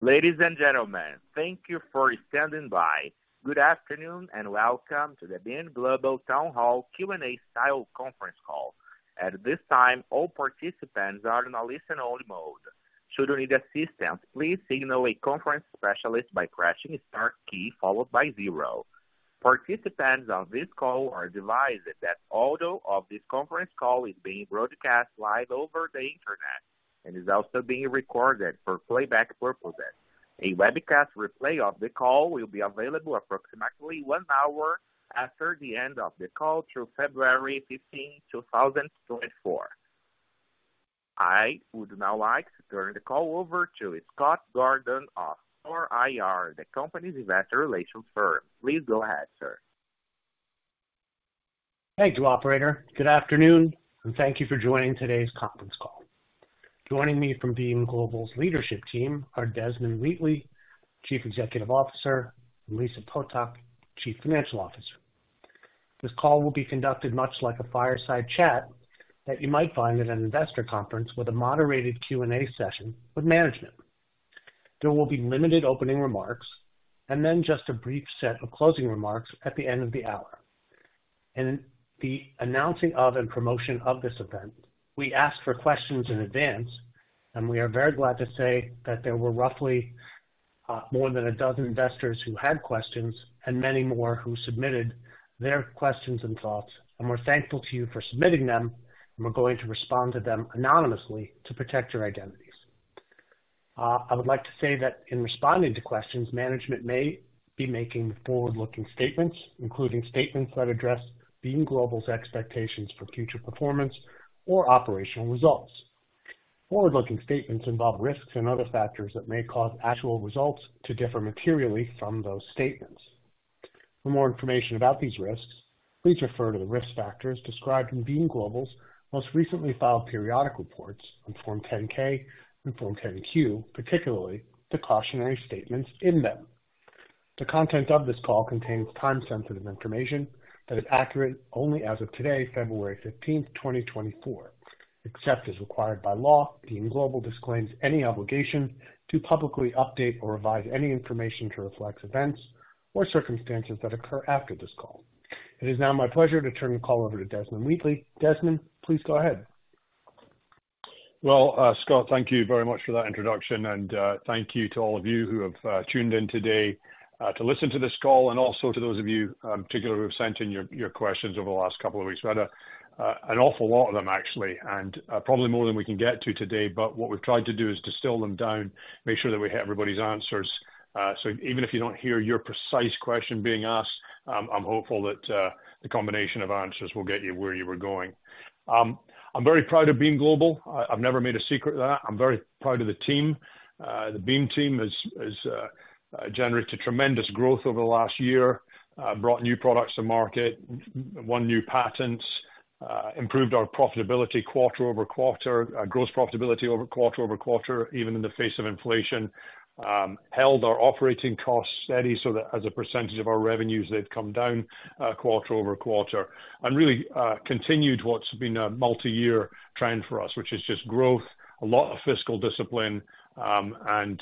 Ladies and gentlemen, thank you for standing by. Good afternoon and welcome to the Beam Global Town Hall Q&A style conference call. At this time, all participants are in a listen-only mode. Should you need assistance, please signal a conference specialist by pressing star key followed by zero. Participants on this call are advised that audio of this conference call is being broadcast live over the internet and is also being recorded for playback purposes. A webcast replay of the call will be available approximately one hour after the end of the call through February 15, 2024. I would now like to turn the call over to Scott Gordon of CORE IR, the company's investor relations firm. Please go ahead, sir. Thank you, operator. Good afternoon, and thank you for joining today's conference call. Joining me from Beam Global's leadership team are Desmond Wheatley, Chief Executive Officer, and Lisa Potok, Chief Financial Officer. This call will be conducted much like a fireside chat that you might find at an investor conference with a moderated Q&A session with management. There will be limited opening remarks and then just a brief set of closing remarks at the end of the hour. In the announcing of and promotion of this event, we ask for questions in advance, and we are very glad to say that there were roughly more than a dozen investors who had questions and many more who submitted their questions and thoughts, and we're thankful to you for submitting them, and we're going to respond to them anonymously to protect your identities. I would like to say that in responding to questions, management may be making forward-looking statements, including statements that address Beam Global's expectations for future performance or operational results. Forward-looking statements involve risks and other factors that may cause actual results to differ materially from those statements. For more information about these risks, please refer to the risk factors described in Beam Global's most recently filed periodic reports on Form 10-K and Form 10-Q, particularly the cautionary statements in them. The content of this call contains time-sensitive information that is accurate only as of today, February 15, 2024. Except as required by law, Beam Global disclaims any obligation to publicly update or revise any information to reflect events or circumstances that occur after this call. It is now my pleasure to turn the call over to Desmond Wheatley. Desmond, please go ahead. Well, Scott, thank you very much for that introduction, and thank you to all of you who have tuned in today to listen to this call and also to those of you, particularly, who have sent in your questions over the last couple of weeks. We had an awful lot of them, actually, and probably more than we can get to today, but what we've tried to do is distill them down, make sure that we hit everybody's answers. So even if you don't hear your precise question being asked, I'm hopeful that the combination of answers will get you where you were going. I'm very proud of Beam Global. I've never made a secret of that. I'm very proud of the team. The Beam Team has generated tremendous growth over the last year, brought new products to market, won new patents, improved our profitability quarter-over-quarter, gross profitability quarter-over-quarter, even in the face of inflation, held our operating costs steady so that as a percentage of our revenues, they've come down quarter-over-quarter, and really continued what's been a multi-year trend for us, which is just growth, a lot of fiscal discipline, and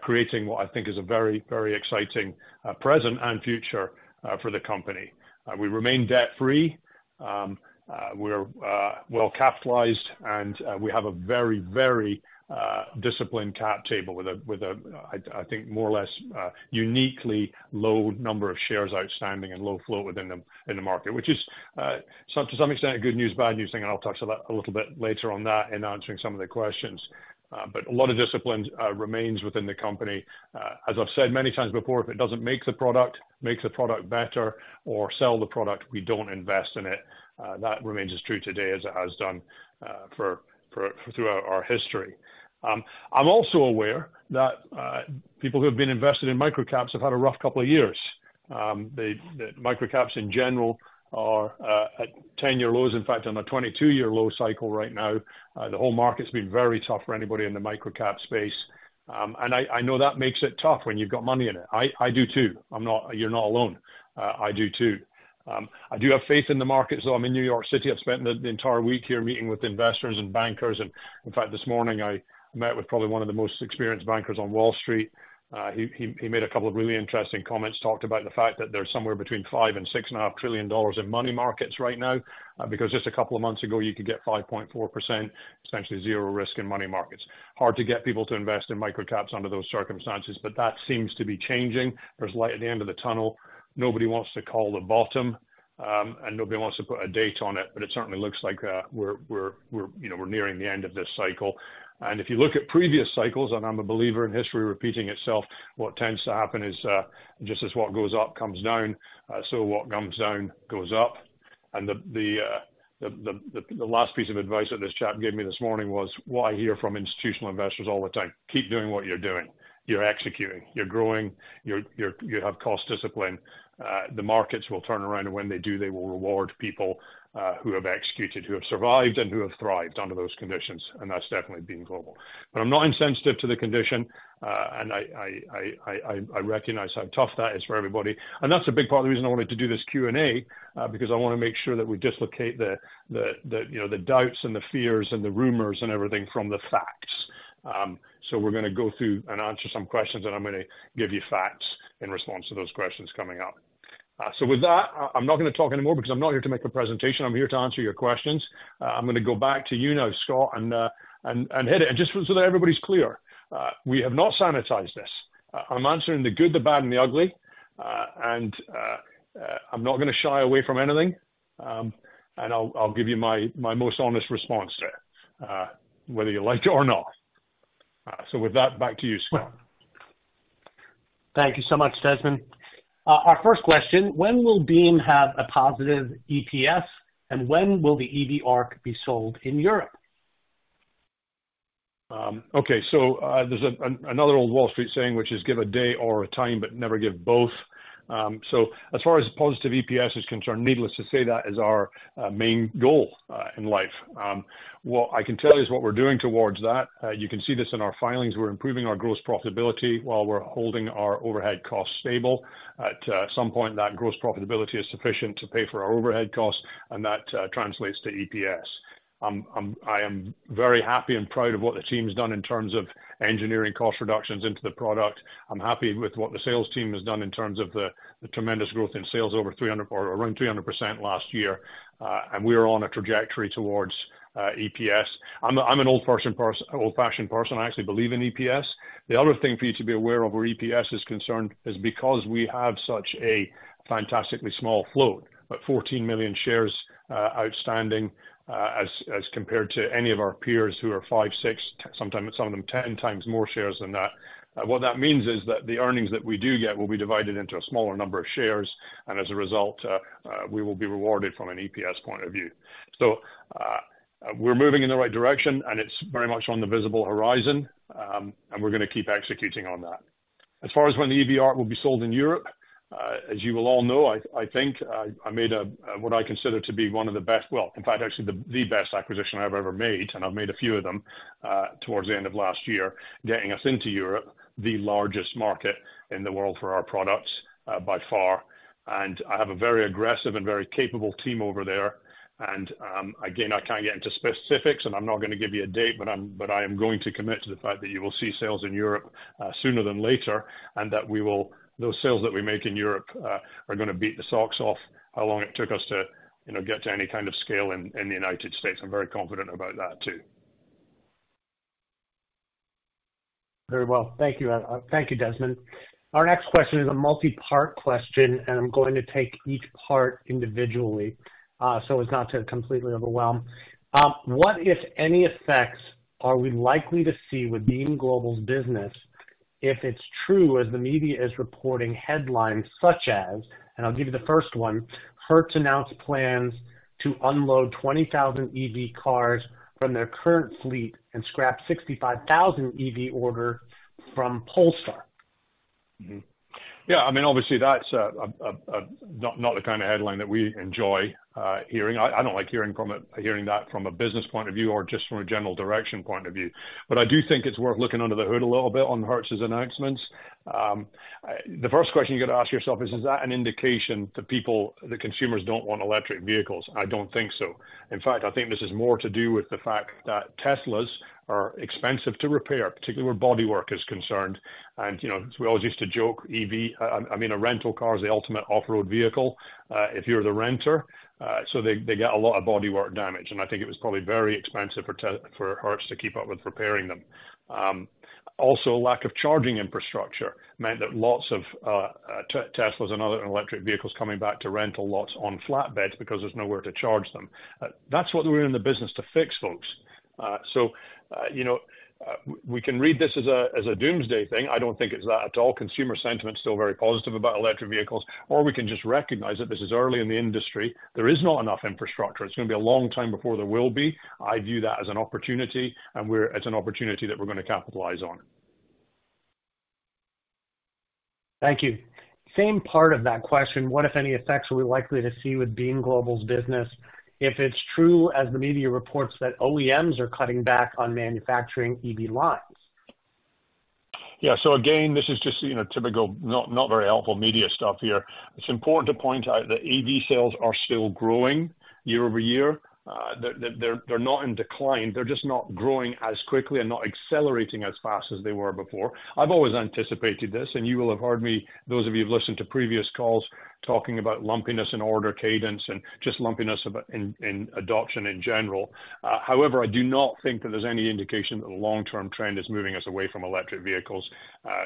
creating what I think is a very, very exciting present and future for the company. We remain debt-free. We're well capitalized, and we have a very, very disciplined cap table with a, I think, more or less uniquely low number of shares outstanding and low float within the market, which is to some extent a good news, bad news thing, and I'll touch a little bit later on that in answering some of the questions. But a lot of discipline remains within the company. As I've said many times before, if it doesn't make the product, makes the product better, or sell the product, we don't invest in it. That remains as true today as it has done throughout our history. I'm also aware that people who have been invested in microcaps have had a rough couple of years. microcaps, in general, are at 10-year lows, in fact, on a 22-year low cycle right now. The whole market's been very tough for anybody in the microcap space, and I know that makes it tough when you've got money in it. I do too. You're not alone. I do too. I do have faith in the markets, though. I'm in New York City. I've spent the entire week here meeting with investors and bankers. In fact, this morning, I met with probably one of the most experienced bankers on Wall Street. He made a couple of really interesting comments, talked about the fact that there's somewhere between $5 trillion and $6.5 trillion in money markets right now because just a couple of months ago, you could get 5.4%, essentially zero risk in money markets. Hard to get people to invest in microcaps under those circumstances, but that seems to be changing. There's light at the end of the tunnel. Nobody wants to call the bottom, and nobody wants to put a date on it, but it certainly looks like we're nearing the end of this cycle. If you look at previous cycles, and I'm a believer in history repeating itself, what tends to happen is just as what goes up comes down, so what comes down goes up. The last piece of advice that this chap gave me this morning was what I hear from institutional investors all the time: keep doing what you're doing. You're executing. You're growing. You have cost discipline. The markets will turn around, and when they do, they will reward people who have executed, who have survived, and who have thrived under those conditions. That's definitely Beam Global. But I'm not insensitive to the condition, and I recognize how tough that is for everybody. And that's a big part of the reason I wanted to do this Q&A because I want to make sure that we dislocate the doubts and the fears and the rumors and everything from the facts. So we're going to go through and answer some questions, and I'm going to give you facts in response to those questions coming up. So with that, I'm not going to talk anymore because I'm not here to make a presentation. I'm here to answer your questions. I'm going to go back to you now, Scott, and hit it. And just so that everybody's clear, we have not sanitized this. I'm answering the good, the bad, and the ugly, and I'm not going to shy away from anything, and I'll give you my most honest response to it, whether you like it or not. So with that, back to you, Scott. Thank you so much, Desmond. Our first question: when will Beam have a positive EPS, and when will the EV ARC be sold in Europe? Okay. So there's another old Wall Street saying, which is, "Give a day or a time, but never give both." So as far as positive EPS is concerned, needless to say, that is our main goal in life. What I can tell you is what we're doing towards that. You can see this in our filings. We're improving our gross profitability while we're holding our overhead costs stable. At some point, that gross profitability is sufficient to pay for our overhead costs, and that translates to EPS. I am very happy and proud of what the team's done in terms of engineering cost reductions into the product. I'm happy with what the sales team has done in terms of the tremendous growth in sales over 300% or around 300% last year, and we are on a trajectory towards EPS. I'm an old-fashioned person. I actually believe in EPS. The other thing for you to be aware of where EPS is concerned is because we have such a fantastically small float, about 14 million shares outstanding as compared to any of our peers who are five, six, sometimes some of them 10 times more shares than that. What that means is that the earnings that we do get will be divided into a smaller number of shares, and as a result, we will be rewarded from an EPS point of view. So we're moving in the right direction, and it's very much on the visible horizon, and we're going to keep executing on that. As far as when the EV ARC will be sold in Europe, as you will all know, I think I made what I consider to be one of the best, well, in fact, actually the best acquisition I've ever made, and I've made a few of them towards the end of last year, getting us into Europe, the largest market in the world for our products by far. And I have a very aggressive and very capable team over there. And again, I can't get into specifics, and I'm not going to give you a date, but I am going to commit to the fact that you will see sales in Europe sooner than later and that those sales that we make in Europe are going to beat the socks off how long it took us to get to any kind of scale in the United States. I'm very confident about that too. Very well. Thank you, Desmond. Our next question is a multi-part question, and I'm going to take each part individually so as not to completely overwhelm. What, if any, effects are we likely to see with Beam Global's business if it's true, as the media is reporting, headlines such as, and I'll give you the first one, Hertz announced plans to unload 20,000 EV cars from their current fleet and scrap 65,000 EV orders from Polestar? Yeah. I mean, obviously, that's not the kind of headline that we enjoy hearing. I don't like hearing that from a business point of view or just from a general direction point of view. But I do think it's worth looking under the hood a little bit on Hertz's announcements. The first question you got to ask yourself is, is that an indication to people that consumers don't want electric vehicles? I don't think so. In fact, I think this is more to do with the fact that Tesla are expensive to repair, particularly where bodywork is concerned. And as we all used to joke, I mean, a rental car is the ultimate off-road vehicle if you're the renter, so they get a lot of bodywork damage. And I think it was probably very expensive for Hertz to keep up with repairing them. Also, lack of charging infrastructure meant that lots of Tesla and other electric vehicles coming back to rental lots on flatbeds because there's nowhere to charge them. That's what we're in the business to fix, folks. So we can read this as a doomsday thing. I don't think it's that at all. Consumer sentiment's still very positive about electric vehicles, or we can just recognize that this is early in the industry. There is not enough infrastructure. It's going to be a long time before there will be. I view that as an opportunity, and it's an opportunity that we're going to capitalize on. Thank you. Same part of that question: what, if any, effects are we likely to see with Beam Global's business if it's true, as the media reports, that OEMs are cutting back on manufacturing EV lines? Yeah. So again, this is just typical, not very helpful media stuff here. It's important to point out that EV sales are still growing year-over-year. They're not in decline. They're just not growing as quickly and not accelerating as fast as they were before. I've always anticipated this, and you will have heard me, those of you who've listened to previous calls, talking about lumpiness in order cadence and just lumpiness in adoption in general. However, I do not think that there's any indication that the long-term trend is moving us away from electric vehicles.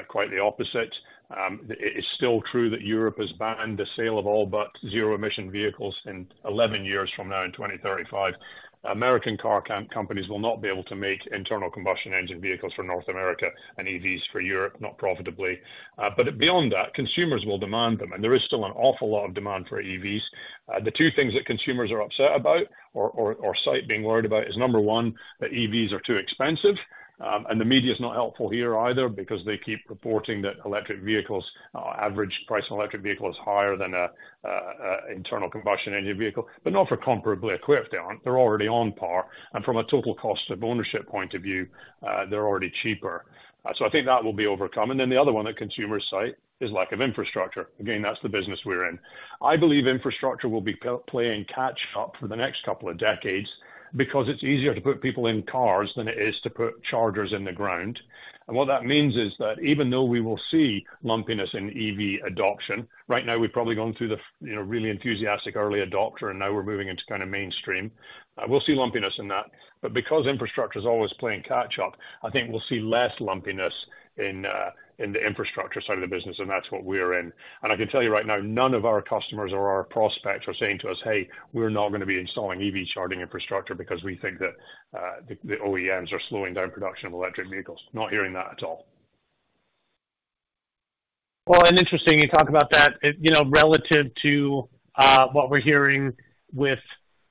Quite the opposite. It is still true that Europe has banned the sale of all but zero-emission vehicles in 11 years from now in 2035. American car companies will not be able to make internal combustion engine vehicles for North America and EVs for Europe, not profitably. But beyond that, consumers will demand them, and there is still an awful lot of demand for EVs. The two things that consumers are upset about or cite being worried about is, number one, that EVs are too expensive. The media's not helpful here either because they keep reporting that average price of an electric vehicle is higher than an internal combustion engine vehicle, but not for comparably equipped. They aren't. They're already on par. From a total cost of ownership point of view, they're already cheaper. I think that will be overcome. Then the other one that consumers cite is lack of infrastructure. Again, that's the business we're in. I believe infrastructure will be playing catch-up for the next couple of decades because it's easier to put people in cars than it is to put chargers in the ground. What that means is that even though we will see lumpiness in EV adoption right now, we've probably gone through the really enthusiastic early adopter, and now we're moving into kind of mainstream. We'll see lumpiness in that. But because infrastructure is always playing catch-up, I think we'll see less lumpiness in the infrastructure side of the business, and that's what we're in. I can tell you right now, none of our customers or our prospects are saying to us, "Hey, we're not going to be installing EV charging infrastructure because we think that the OEMs are slowing down production of electric vehicles." Not hearing that at all. Well, and interesting you talk about that relative to what we're hearing with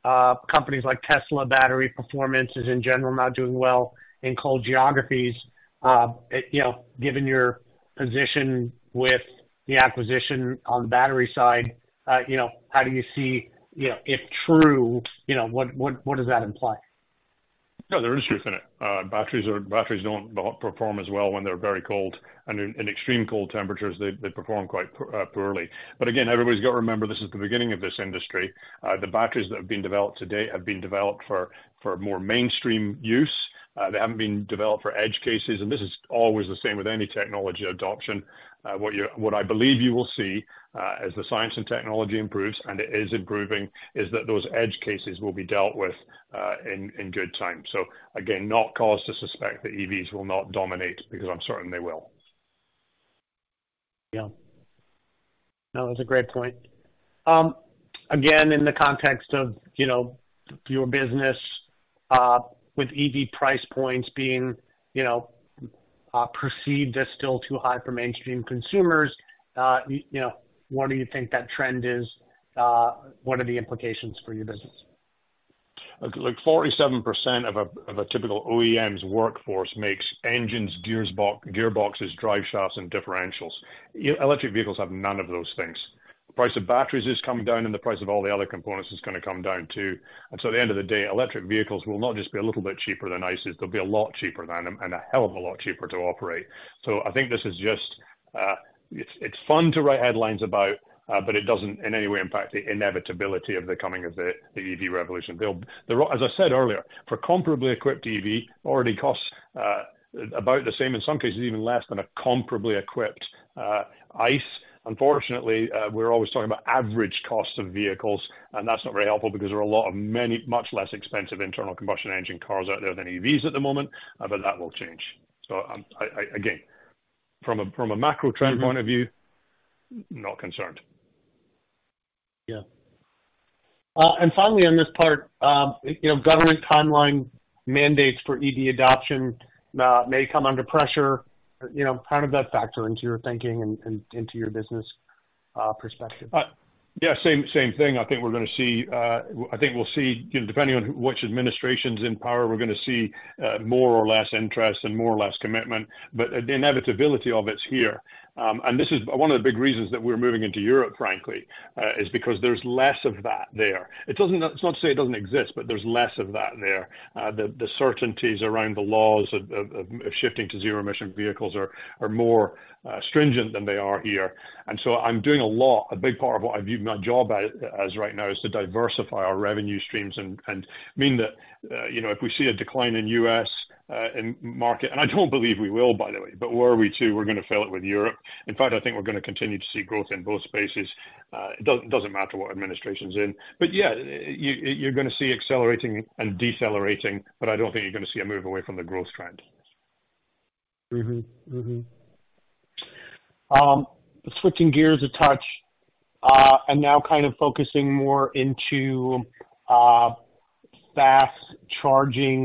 companies like Tesla. Battery performance is, in general, not doing well in cold geographies. Given your position with the acquisition on the battery side, how do you see if true, what does that imply? Yeah. There is truth in it. Batteries don't perform as well when they're very cold. In extreme cold temperatures, they perform quite poorly. Again, everybody's got to remember this is the beginning of this industry. The batteries that have been developed to date have been developed for more mainstream use. They haven't been developed for edge cases. This is always the same with any technology adoption. What I believe you will see as the science and technology improves, and it is improving, is that those edge cases will be dealt with in good time. Again, not cause to suspect that EVs will not dominate because I'm certain they will. Yeah. No, that's a great point. Again, in the context of your business, with EV price points being perceived as still too high for mainstream consumers, what do you think that trend is? What are the implications for your business? Look, 47% of a typical OEM's workforce makes engines, gearboxes, driveshafts, and differentials. Electric vehicles have none of those things. The price of batteries is coming down, and the price of all the other components is going to come down too. And so at the end of the day, electric vehicles will not just be a little bit cheaper than ICEs. They'll be a lot cheaper than them and a hell of a lot cheaper to operate. So I think this is just it's fun to write headlines about, but it doesn't in any way impact the inevitability of the coming of the EV revolution. As I said earlier, for comparably equipped EV, already costs about the same, in some cases even less, than a comparably equipped ICE. Unfortunately, we're always talking about average costs of vehicles, and that's not very helpful because there are a lot of much less expensive internal combustion engine cars out there than EVs at the moment, but that will change. So again, from a macro trend point of view, not concerned. Yeah. Finally, on this part, government timeline mandates for EV adoption may come under pressure. How does that factor into your thinking and into your business perspective? Yeah. Same thing. I think we're going to see I think we'll see, depending on which administration is in power, we're going to see more or less interest and more or less commitment. But the inevitability of it's here. And one of the big reasons that we're moving into Europe, frankly, is because there's less of that there. It's not to say it doesn't exist, but there's less of that there. The certainties around the laws of shifting to zero-emission vehicles are more stringent than they are here. And so I'm doing a lot a big part of what I view my job as right now is to diversify our revenue streams and mean that if we see a decline in U.S. market and I don't believe we will, by the way, but were we to, we're going to fill it with Europe. In fact, I think we're going to continue to see growth in both spaces. It doesn't matter what administration's in. But yeah, you're going to see accelerating and decelerating, but I don't think you're going to see a move away from the growth trend. Switching gears a touch and now kind of focusing more into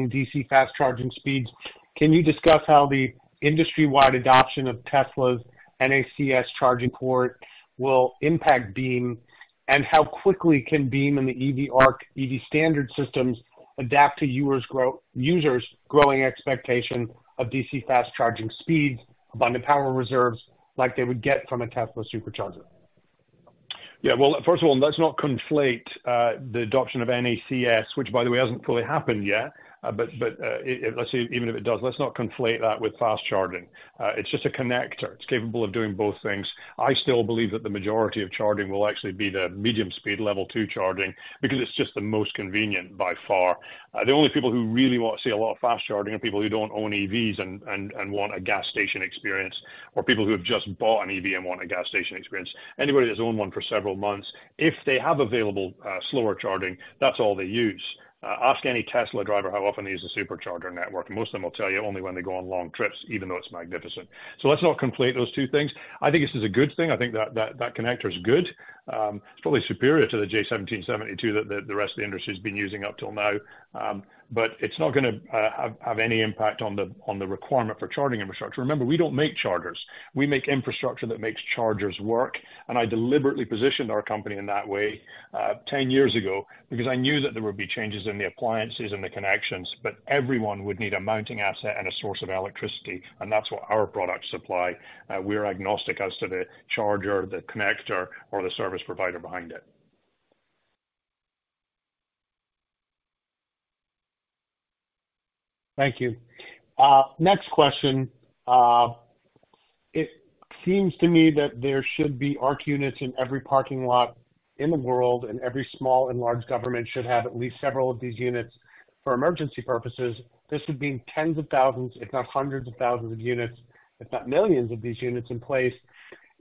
DC fast charging speeds, can you discuss how the industry-wide adoption of Tesla's NACS charging port will impact Beam and how quickly can Beam and the EV ARC EV Standard systems adapt to users' growing expectation of DC fast charging speeds, abundant power reserves like they would get from a Tesla Supercharger? Yeah. Well, first of all, let's not conflate the adoption of NACS, which, by the way, hasn't fully happened yet. But let's see, even if it does, let's not conflate that with fast charging. It's just a connector. It's capable of doing both things. I still believe that the majority of charging will actually be the medium-speed, Level 2 charging because it's just the most convenient by far. The only people who really want to see a lot of fast charging are people who don't own EVs and want a gas station experience or people who have just bought an EV and want a gas station experience. Anybody that's owned one for several months, if they have available slower charging, that's all they use. Ask any Tesla driver how often he uses a Supercharger network, and most of them will tell you only when they go on long trips, even though it's magnificent. So let's not conflate those two things. I think this is a good thing. I think that connector's good. It's probably superior to the J1772 that the rest of the industry has been using up till now. But it's not going to have any impact on the requirement for charging infrastructure. Remember, we don't make chargers. We make infrastructure that makes chargers work. And I deliberately positioned our company in that way 10 years ago because I knew that there would be changes in the appliances and the connections, but everyone would need a mounting asset and a source of electricity. And that's what our products supply. We're agnostic as to the charger, the connector, or the service provider behind it. Thank you. Next question. It seems to me that there should be ARC units in every parking lot in the world, and every small and large government should have at least several of these units for emergency purposes. This would mean tens of thousands, if not hundreds of thousands of units, if not millions of these units in place.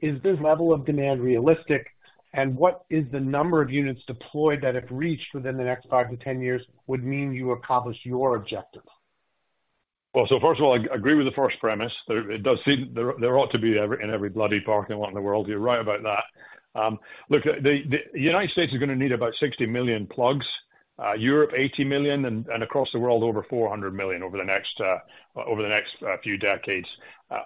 Is this level of demand realistic? And what is the number of units deployed that, if reached within the next five to 10 years, would mean you accomplish your objective? Well, so first of all, I agree with the first premise. There ought to be in every bloody parking lot in the world. You're right about that. Look, the United States is going to need about 60 million plugs, Europe, 80 million, and across the world, over 400 million over the next few decades.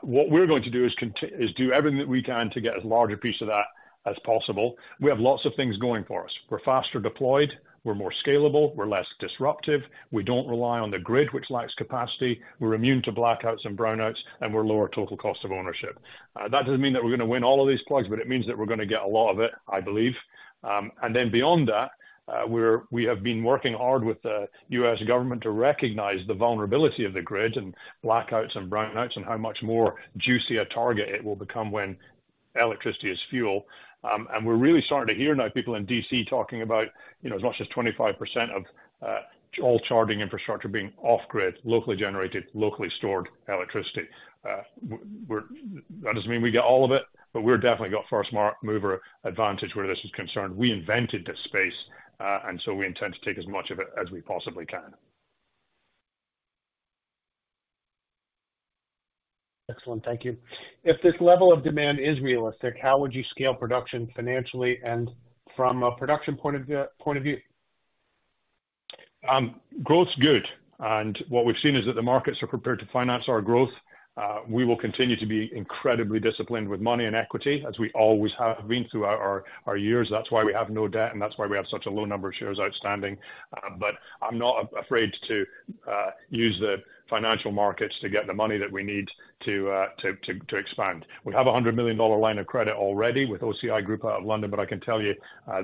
What we're going to do is do everything that we can to get as large a piece of that as possible. We have lots of things going for us. We're faster deployed. We're more scalable. We're less disruptive. We don't rely on the grid, which lacks capacity. We're immune to blackouts and brownouts, and we're lower total cost of ownership. That doesn't mean that we're going to win all of these plugs, but it means that we're going to get a lot of it, I believe. And then beyond that, we have been working hard with the U.S. government to recognize the vulnerability of the grid and blackouts and brownouts and how much more juicy a target it will become when electricity is fuel. And we're really starting to hear now people in D.C. talking about as much as 25% of all charging infrastructure being off-grid, locally generated, locally stored electricity. That doesn't mean we get all of it, but we're definitely got first mover advantage where this is concerned. We invented this space, and so we intend to take as much of it as we possibly can. Excellent. Thank you. If this level of demand is realistic, how would you scale production financially and from a production point of view? Growth's good. What we've seen is that the markets are prepared to finance our growth. We will continue to be incredibly disciplined with money and equity, as we always have been throughout our years. That's why we have no debt, and that's why we have such a low number of shares outstanding. I'm not afraid to use the financial markets to get the money that we need to expand. We have a $100 million line of credit already with OCI Group out of London, but I can tell you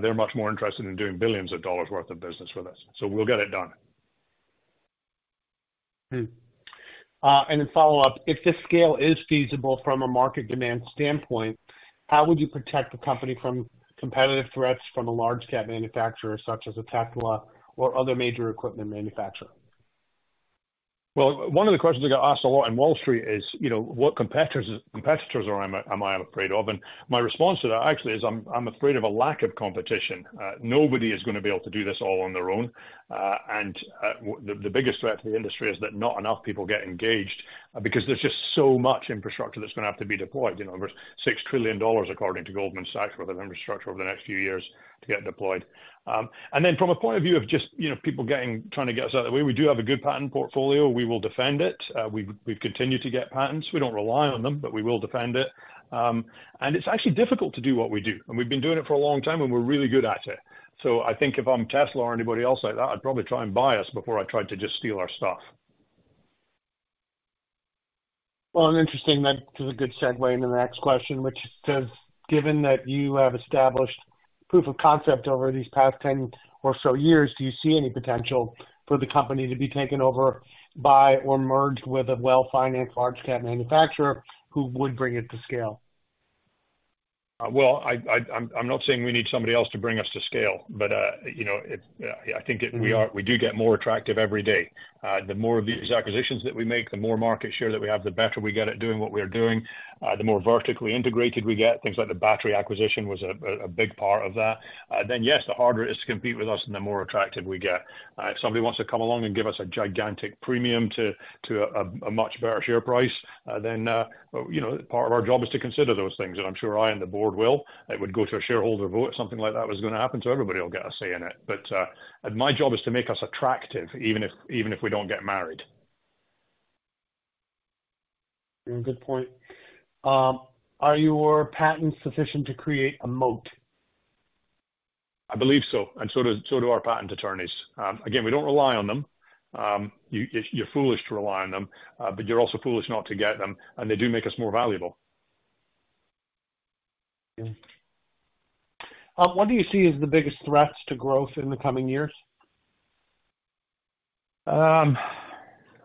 they're much more interested in doing $ billions' worth of business with us. We'll get it done. And then follow up, if this scale is feasible from a market demand standpoint, how would you protect the company from competitive threats from a large-cap manufacturer such as a Tesla or other major equipment manufacturer? Well, one of the questions I got asked a lot in Wall Street is what competitors am I afraid of? And my response to that, actually, is I'm afraid of a lack of competition. Nobody is going to be able to do this all on their own. And the biggest threat to the industry is that not enough people get engaged because there's just so much infrastructure that's going to have to be deployed. There's $6 trillion, according to Goldman Sachs, worth of infrastructure over the next few years to get deployed. And then from a point of view of just people trying to get us out of the way, we do have a good patent portfolio. We will defend it. We've continued to get patents. We don't rely on them, but we will defend it. And it's actually difficult to do what we do. We've been doing it for a long time, and we're really good at it. I think if I'm Tesla or anybody else like that, I'd probably try and buy us before I tried to just steal our stuff. Well, and interesting. That gives a good segue into the next question, which says, given that you have established proof of concept over these past 10 or so years, do you see any potential for the company to be taken over by or merged with a well-financed large-cap manufacturer who would bring it to scale? Well, I'm not saying we need somebody else to bring us to scale, but I think we do get more attractive every day. The more of these acquisitions that we make, the more market share that we have, the better we get at doing what we are doing, the more vertically integrated we get. Things like the battery acquisition was a big part of that. Then yes, the harder it is to compete with us and the more attractive we get. If somebody wants to come along and give us a gigantic premium to a much better share price, then part of our job is to consider those things. And I'm sure I and the board will. It would go to a shareholder vote. Something like that was going to happen, so everybody will get a say in it. But my job is to make us attractive, even if we don't get married. Good point. Are your patents sufficient to create a moat? I believe so. And so do our patent attorneys. Again, we don't rely on them. You're foolish to rely on them, but you're also foolish not to get them. And they do make us more valuable. What do you see as the biggest threats to growth in the coming years?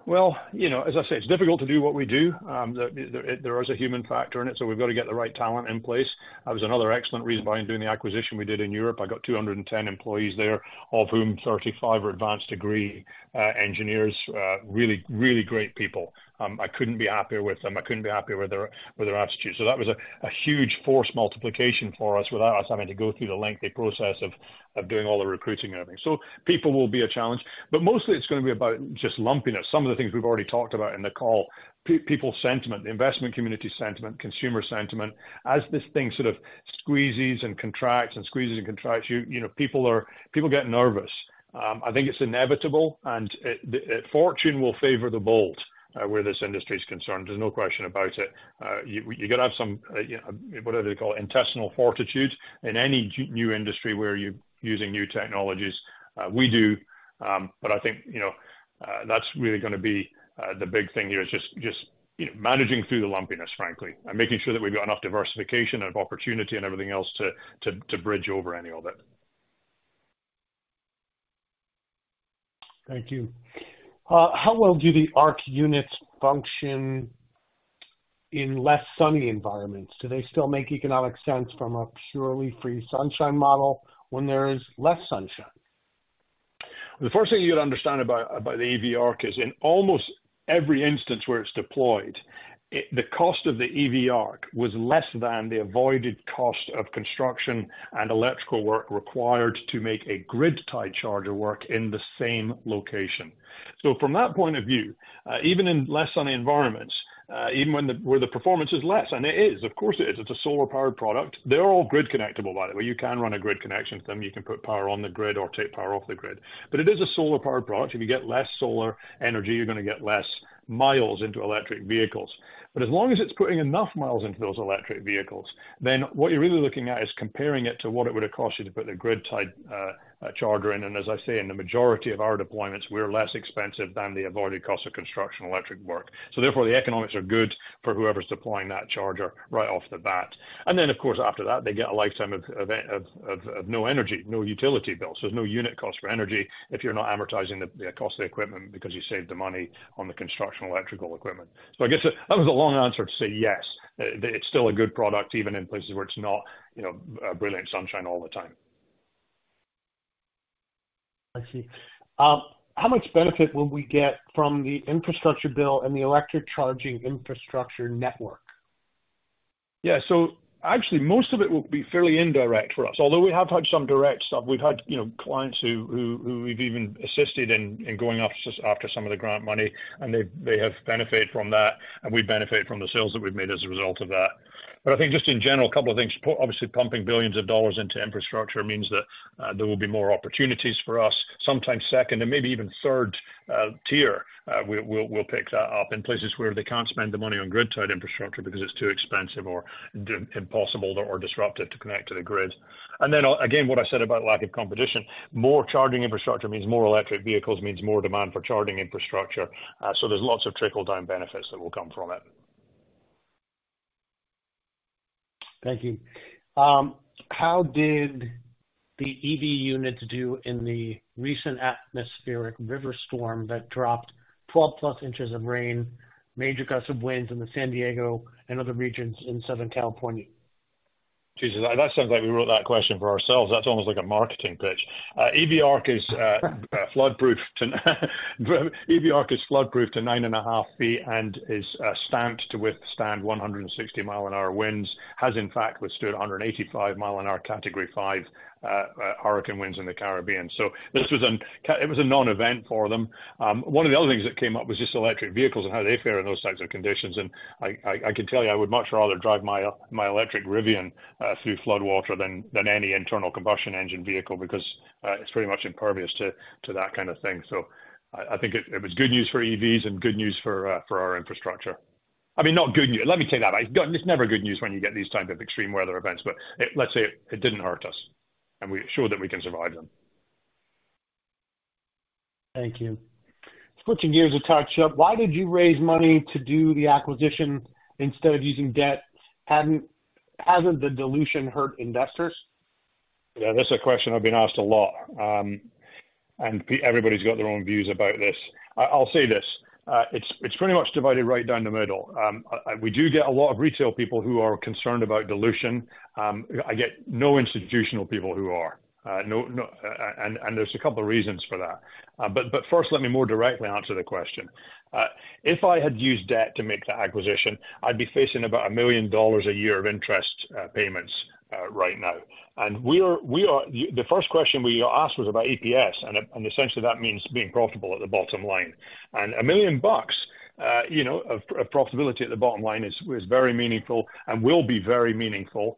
Well, as I say, it's difficult to do what we do. There is a human factor in it, so we've got to get the right talent in place. That was another excellent reason why I'm doing the acquisition we did in Europe. I got 210 employees there, of whom 35 are advanced degree engineers, really, really great people. I couldn't be happier with them. I couldn't be happier with their attitude. So that was a huge force multiplication for us without us having to go through the lengthy process of doing all the recruiting and everything. So people will be a challenge. But mostly, it's going to be about just summing up some of the things we've already talked about in the call: people sentiment, the investment community sentiment, consumer sentiment. As this thing sort of squeezes and contracts and squeezes and contracts, people get nervous. I think it's inevitable, and fortune will favor the bold where this industry is concerned. There's no question about it. You've got to have some whatever they call it, intestinal fortitude in any new industry where you're using new technologies. We do. But I think that's really going to be the big thing here is just managing through the lumpiness, frankly, and making sure that we've got enough diversification and opportunity and everything else to bridge over any of it. Thank you. How well do the ARC units function in less sunny environments? Do they still make economic sense from a purely free sunshine model when there is less sunshine? The first thing you'd understand about the EV ARC is, in almost every instance where it's deployed, the cost of the EV ARC was less than the avoided cost of construction and electrical work required to make a grid-tied charger work in the same location. So from that point of view, even in less sunny environments, even where the performance is less and it is, of course, it is. It's a solar-powered product. They're all grid-connectable, by the way. You can run a grid connection to them. You can put power on the grid or take power off the grid. But it is a solar-powered product. If you get less solar energy, you're going to get less miles into electric vehicles. But as long as it's putting enough miles into those electric vehicles, then what you're really looking at is comparing it to what it would have cost you to put the grid-tied charger in. And as I say, in the majority of our deployments, we're less expensive than the avoided cost of construction electric work. So therefore, the economics are good for whoever's deploying that charger right off the bat. And then, of course, after that, they get a lifetime of no energy, no utility bills. There's no unit cost for energy if you're not amortizing the cost of the equipment because you saved the money on the construction electrical equipment. So I guess that was a long answer to say yes. It's still a good product, even in places where it's not brilliant sunshine all the time. I see. How much benefit will we get from the infrastructure bill and the electric charging infrastructure network? Yeah. So actually, most of it will be fairly indirect for us, although we have had some direct stuff. We've had clients who we've even assisted in going after some of the grant money, and they have benefited from that, and we've benefited from the sales that we've made as a result of that. But I think just in general, a couple of things. Obviously, pumping $ billions into infrastructure means that there will be more opportunities for us, sometimes second and maybe even third tier. We'll pick that up in places where they can't spend the money on grid-tied infrastructure because it's too expensive or impossible or disruptive to connect to the grid. And then again, what I said about lack of competition, more charging infrastructure means more electric vehicles, means more demand for charging infrastructure. So there's lots of trickle-down benefits that will come from it. Thank you. How did the EV units do in the recent atmospheric river storm that dropped 12+ inches of rain, major gusts of winds in San Diego and other regions in Southern California? Jesus, that sounds like we wrote that question for ourselves. That's almost like a marketing pitch. EV ARC is floodproof to 9.5 ft and is stamped to withstand 160-mile-an-hour winds, has in fact withstood 185 mi an-hour Category 5 hurricane winds in the Caribbean. So it was a non-event for them. One of the other things that came up was just electric vehicles and how they fare in those types of conditions. And I can tell you I would much rather drive my electric Rivian through floodwater than any internal combustion engine vehicle because it's pretty much impervious to that kind of thing. So I think it was good news for EVs and good news for our infrastructure. I mean, not good news. Let me take that back. It's never good news when you get these types of extreme weather events. Let's say it didn't hurt us, and we showed that we can survive them. Thank you. Switching gears to touch up, why did you raise money to do the acquisition instead of using debt? Hasn't the dilution hurt investors? Yeah, that's a question I've been asked a lot. Everybody's got their own views about this. I'll say this. It's pretty much divided right down the middle. We do get a lot of retail people who are concerned about dilution. I get no institutional people who are. There's a couple of reasons for that. First, let me more directly answer the question. If I had used debt to make the acquisition, I'd be facing about $1 million a year of interest payments right now. The first question we asked was about EPS. Essentially, that means being profitable at the bottom line. A million bucks of profitability at the bottom line is very meaningful and will be very meaningful,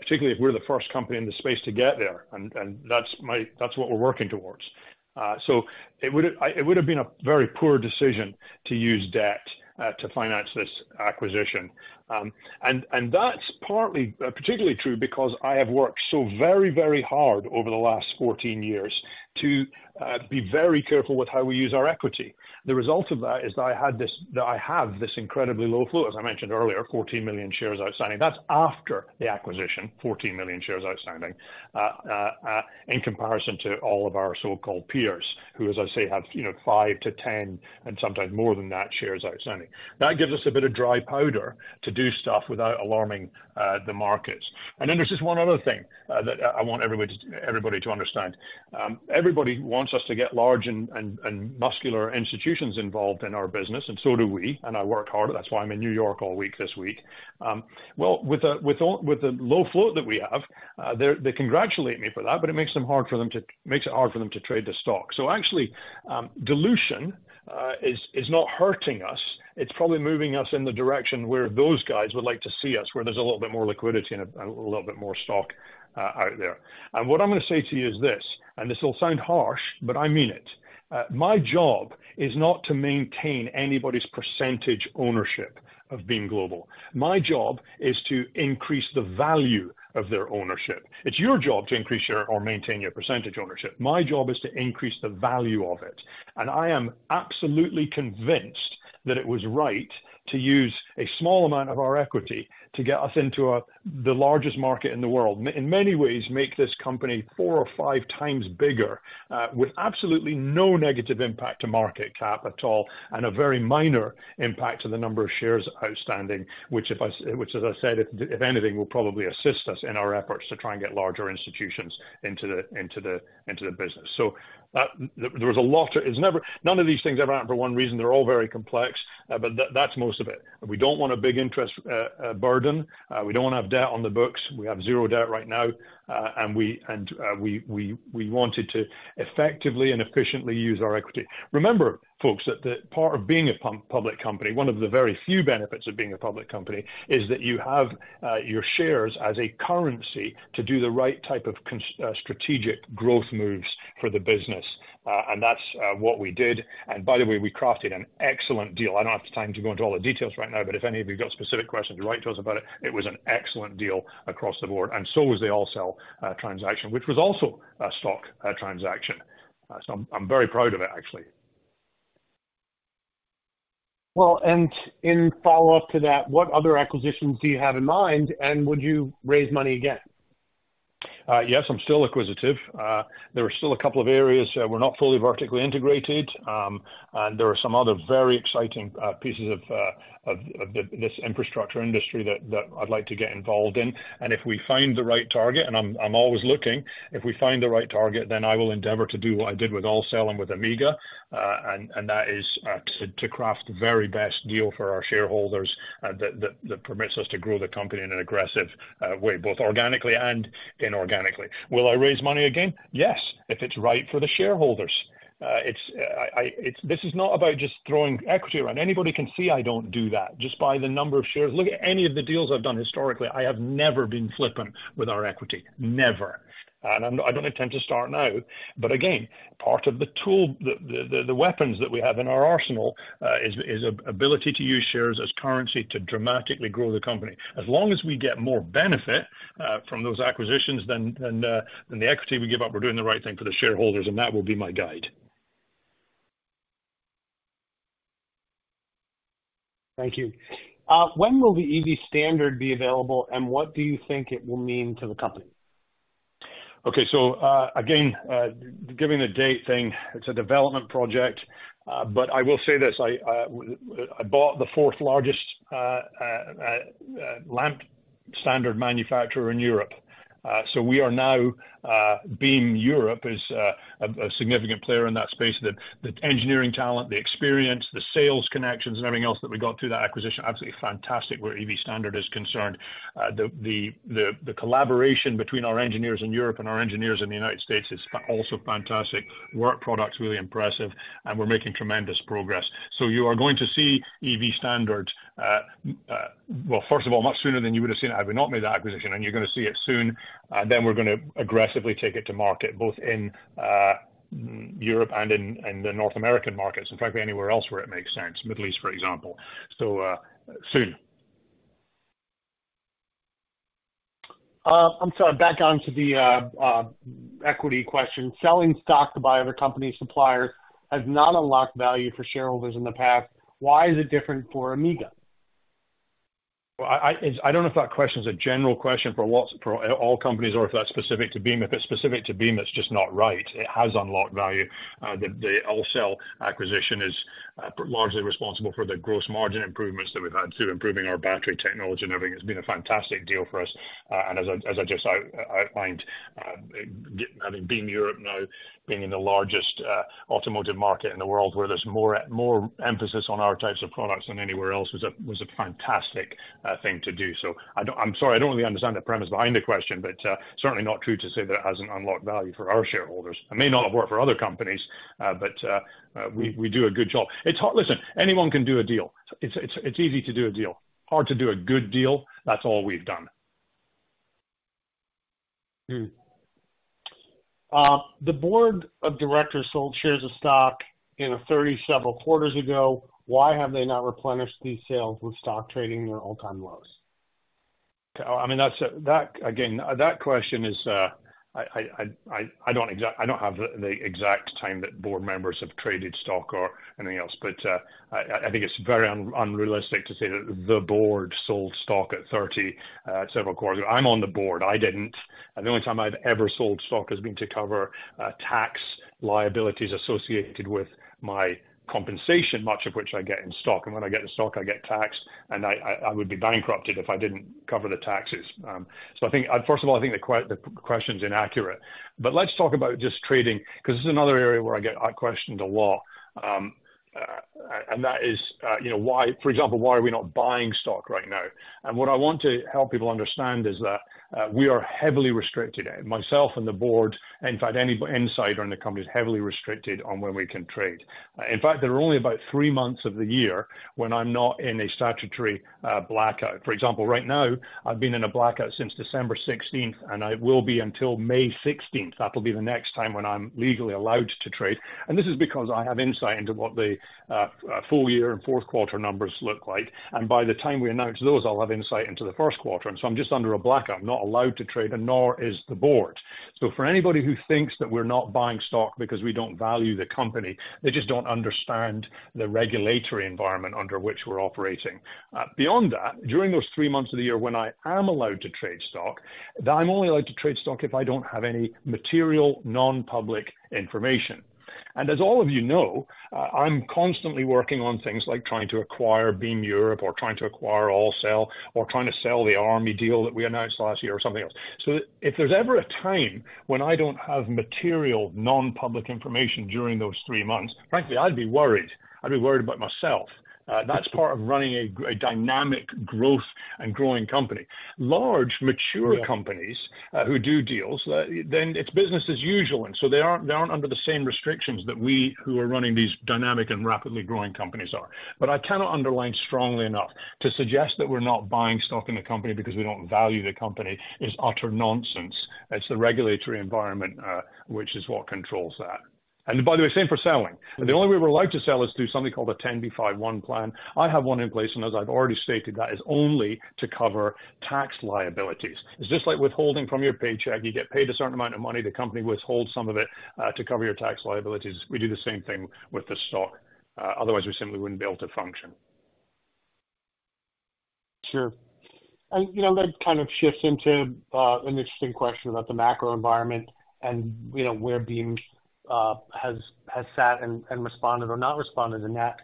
particularly if we're the first company in the space to get there. That's what we're working towards. So it would have been a very poor decision to use debt to finance this acquisition. And that's partly particularly true because I have worked so very, very hard over the last 14 years to be very careful with how we use our equity. The result of that is that I have this incredibly low float, as I mentioned earlier, 14 million shares outstanding. That's after the acquisition, 14 million shares outstanding in comparison to all of our so-called peers who, as I say, have five to 10 and sometimes more than that shares outstanding. That gives us a bit of dry powder to do stuff without alarming the markets. And then there's just one other thing that I want everybody to understand. Everybody wants us to get large and muscular institutions involved in our business, and so do we. And I work hard. That's why I'm in New York all week this week. Well, with the low float that we have, they congratulate me for that, but it makes it hard for them to trade the stock. So actually, dilution is not hurting us. It's probably moving us in the direction where those guys would like to see us, where there's a little bit more liquidity and a little bit more stock out there. And what I'm going to say to you is this, and this will sound harsh, but I mean it. My job is not to maintain anybody's percentage ownership of Beam Global. My job is to increase the value of their ownership. It's your job to increase or maintain your percentage ownership. My job is to increase the value of it. I am absolutely convinced that it was right to use a small amount of our equity to get us into the largest market in the world, in many ways, make this company five or five times bigger with absolutely no negative impact to market cap at all and a very minor impact to the number of shares outstanding, which, as I said, if anything, will probably assist us in our efforts to try and get larger institutions into the business. So there was a lot. None of these things ever happened for one reason. They're all very complex. But that's most of it. We don't want a big interest burden. We don't want to have debt on the books. We have 0 debt right now. And we wanted to effectively and efficiently use our equity. Remember, folks, that part of being a public company, one of the very few benefits of being a public company, is that you have your shares as a currency to do the right type of strategic growth moves for the business. And that's what we did. And by the way, we crafted an excellent deal. I don't have time to go into all the details right now. But if any of you've got specific questions, write to us about it. It was an excellent deal across the board. And so was the AllCell transaction, which was also a stock transaction. So I'm very proud of it, actually. Well, and in follow-up to that, what other acquisitions do you have in mind? And would you raise money again? Yes, I'm still acquisitive. There are still a couple of areas where we're not fully vertically integrated. And there are some other very exciting pieces of this infrastructure industry that I'd like to get involved in. And if we find the right target and I'm always looking. If we find the right target, then I will endeavor to do what I did with Envision Solar and with Amiga. And that is to craft the very best deal for our shareholders that permits us to grow the company in an aggressive way, both organically and inorganically. Will I raise money again? Yes, if it's right for the shareholders. This is not about just throwing equity around. Anybody can see I don't do that just by the number of shares. Look at any of the deals I've done historically. I have never been flippant with our equity, never. I don't intend to start now. But again, part of the tool, the weapons that we have in our arsenal is the ability to use shares as currency to dramatically grow the company. As long as we get more benefit from those acquisitions than the equity we give up, we're doing the right thing for the shareholders. That will be my guide. Thank you. When will the EV Standard be available? And what do you think it will mean to the company? Okay. So again, giving the date thing, it's a development project. But I will say this. I bought the fourth-largest lamp standard manufacturer in Europe. So we are now Beam Europe is a significant player in that space. The engineering talent, the experience, the sales connections, and everything else that we got through that acquisition, absolutely fantastic where EV Standard is concerned. The collaboration between our engineers in Europe and our engineers in the United States is also fantastic. Work products, really impressive. And we're making tremendous progress. So you are going to see EV Standards, well, first of all, much sooner than you would have seen it had we not made that acquisition. And you're going to see it soon. We're going to aggressively take it to market both in Europe and in the North American markets and, frankly, anywhere else where it makes sense, Middle East, for example. So soon. I'm sorry. Back on to the equity question. Selling stock to buy other companies' suppliers has not unlocked value for shareholders in the past. Why is it different for Amiga? Well, I don't know if that question is a general question for all companies or if that's specific to Beam. If it's specific to Beam, it's just not right. It has unlocked value. The Amiga acquisition is largely responsible for the gross margin improvements that we've had through improving our battery technology and everything. It's been a fantastic deal for us. And as I just outlined, having Beam Europe now being in the largest automotive market in the world where there's more emphasis on our types of products than anywhere else was a fantastic thing to do. So I'm sorry. I don't really understand the premise behind the question. But certainly not true to say that it hasn't unlocked value for our shareholders. It may not have worked for other companies. But we do a good job. Listen, anyone can do a deal. It's easy to do a deal. Hard to do a good deal. That's all we've done. The board of directors sold shares of stock three or several quarters ago. Why have they not replenished these sales with stock trading at their all-time lows? I mean, again, that question is I don't have the exact time that board members have traded stock or anything else. But I think it's very unrealistic to say that the board sold stock at 30-several quarters. I'm on the board. I didn't. And the only time I've ever sold stock has been to cover tax liabilities associated with my compensation, much of which I get in stock. And when I get the stock, I get taxed. And I would be bankrupted if I didn't cover the taxes. So first of all, I think the question is inaccurate. But let's talk about just trading because this is another area where I get questioned a lot. And that is, for example, why are we not buying stock right now? And what I want to help people understand is that we are heavily restricted in. Myself and the board and, in fact, any insider in the company is heavily restricted on when we can trade. In fact, there are only about three months of the year when I'm not in a statutory blackout. For example, right now, I've been in a blackout since December 16th. I will be until May 16th. That'll be the next time when I'm legally allowed to trade. This is because I have insight into what the full year and fourth quarter numbers look like. By the time we announce those, I'll have insight into the first quarter. So I'm just under a blackout. I'm not allowed to trade. Nor is the board. For anybody who thinks that we're not buying stock because we don't value the company, they just don't understand the regulatory environment under which we're operating. Beyond that, during those three months of the year when I am allowed to trade stock, I'm only allowed to trade stock if I don't have any material, non-public information. And as all of you know, I'm constantly working on things like trying to acquire Beam Europe or trying to acquire AllCell or trying to sell the Army deal that we announced last year or something else. So if there's ever a time when I don't have material, non-public information during those three months, frankly, I'd be worried. I'd be worried about myself. That's part of running a dynamic growth and growing company. Large, mature companies who do deals, then it's business as usual. And so they aren't under the same restrictions that we who are running these dynamic and rapidly growing companies are. But I cannot underline strongly enough to suggest that we're not buying stock in the company because we don't value the company. It's utter nonsense. It's the regulatory environment, which is what controls that. And by the way, same for selling. The only way we're allowed to sell is through something called a 10b5-1 plan. I have one in place. And as I've already stated, that is only to cover tax liabilities. It's just like withholding from your paycheck. You get paid a certain amount of money. The company withholds some of it to cover your tax liabilities. We do the same thing with the stock. Otherwise, we simply wouldn't be able to function. Sure. That kind of shifts into an interesting question about the macro environment and where Beam has sat and responded or not responded to that.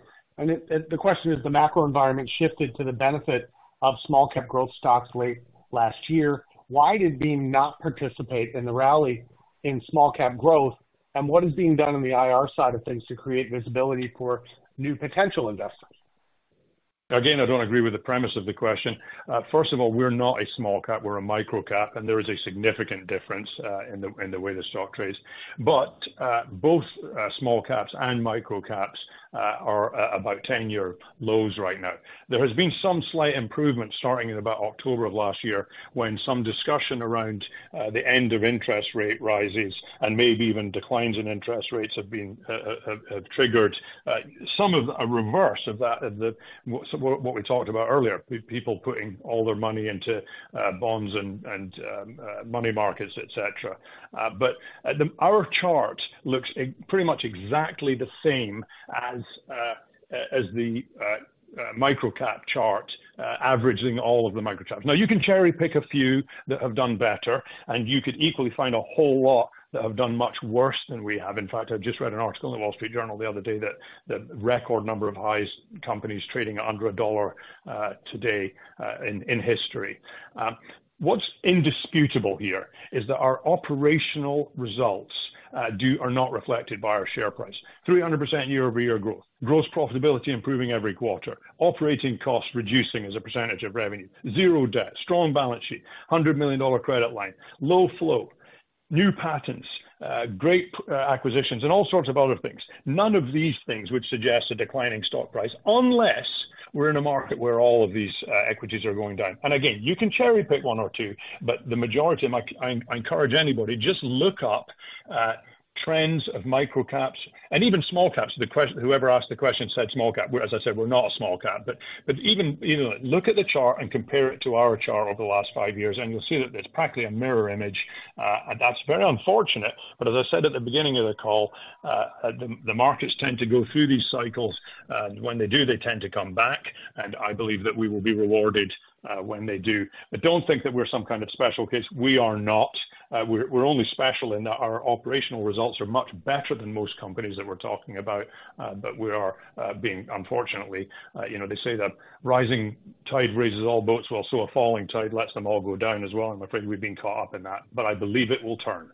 The question is, the macro environment shifted to the benefit of small-cap growth stocks late last year. Why did Beam not participate in the rally in small-cap growth? What is being done on the IR side of things to create visibility for new potential investors? Again, I don't agree with the premise of the question. First of all, we're not a small-cap. We're a microcap. And there is a significant difference in the way the stock trades. But both small-caps and microcaps are about 10-year lows right now. There has been some slight improvement starting in about October of last year when some discussion around the end of interest rate rises and maybe even declines in interest rates have triggered some of a reverse of what we talked about earlier, people putting all their money into bonds and money markets, etc. But our chart looks pretty much exactly the same as the microcap chart averaging all of the microcaps. Now, you can cherry-pick a few that have done better. And you could equally find a whole lot that have done much worse than we have. In fact, I just read an article in The Wall Street Journal the other day that the record number of highs companies trading under $1 today in history. What's indisputable here is that our operational results are not reflected by our share price, 300% year-over-year growth, gross profitability improving every quarter, operating costs reducing as a percentage of revenue, zero debt, strong balance sheet, $100 million credit line, low float, new patents, great acquisitions, and all sorts of other things. None of these things would suggest a declining stock price unless we're in a market where all of these equities are going down. And again, you can cherry-pick one or two. But the majority, and I encourage anybody, just look up trends of microcaps and even small-caps. Whoever asked the question said small-cap. As I said, we're not a small-cap. Even look at the chart and compare it to our chart over the last five years. You'll see that it's practically a mirror image. That's very unfortunate. As I said at the beginning of the call, the markets tend to go through these cycles. When they do, they tend to come back. I believe that we will be rewarded when they do. Don't think that we're some kind of special case. We are not. We're only special in that our operational results are much better than most companies that we're talking about. We are being, unfortunately, they say that rising tide raises all boats. Well, so a falling tide lets them all go down as well. I'm afraid we've been caught up in that. I believe it will turn.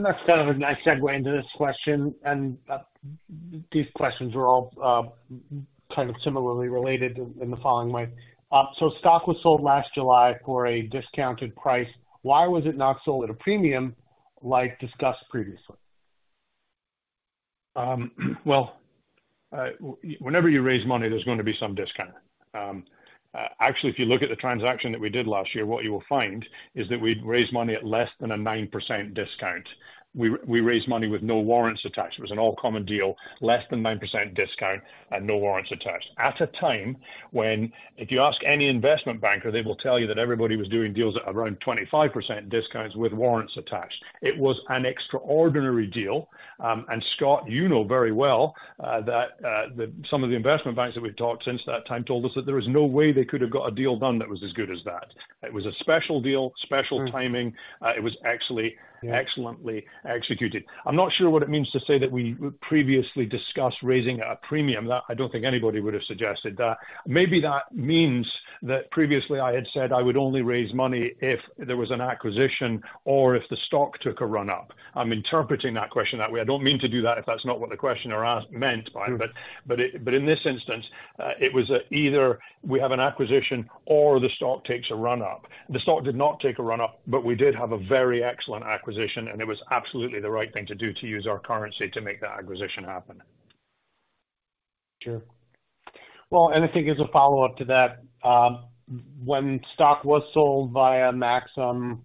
That's kind of a nice segue into this question. These questions are all kind of similarly related in the following way. Stock was sold last July for a discounted price. Why was it not sold at a premium like discussed previously? Well, whenever you raise money, there's going to be some discount. Actually, if you look at the transaction that we did last year, what you will find is that we raised money at less than a 9% discount. We raised money with no warrants attached. It was an all-common deal, less than 9% discount and no warrants attached at a time when, if you ask any investment banker, they will tell you that everybody was doing deals at around 25% discounts with warrants attached. It was an extraordinary deal. And Scott, you know very well that some of the investment banks that we've talked since that time told us that there was no way they could have got a deal done that was as good as that. It was a special deal, special timing. It was excellently executed. I'm not sure what it means to say that we previously discussed raising at a premium. I don't think anybody would have suggested that. Maybe that means that previously, I had said I would only raise money if there was an acquisition or if the stock took a run-up. I'm interpreting that question that way. I don't mean to do that if that's not what the questioner meant by it. But in this instance, it was either we have an acquisition or the stock takes a run-up. The stock did not take a run-up. But we did have a very excellent acquisition. And it was absolutely the right thing to do to use our currency to make that acquisition happen. Sure. Well, and I think as a follow-up to that, when stock was sold via Maxim,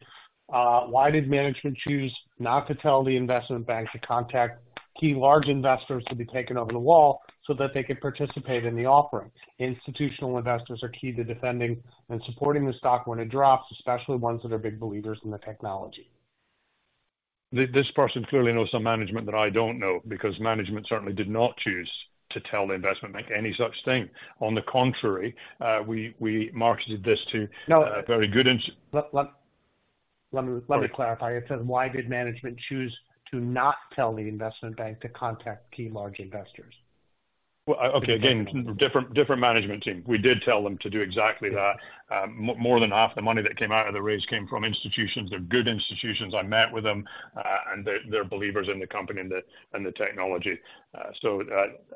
why did management choose not to tell the investment bank to contact key large investors to be taken over the wall so that they could participate in the offering? Institutional investors are key to defending and supporting the stock when it drops, especially ones that are big believers in the technology. This person clearly knows some management that I don't know because management certainly did not choose to tell the investment bank any such thing. On the contrary, we marketed this to very good. Let me clarify. It says, "Why did management choose to not tell the investment bank to contact key large investors? Well, okay. Again, different management team. We did tell them to do exactly that. More than half the money that came out of the raise came from institutions. They're good institutions. I met with them. And they're believers in the company and the technology.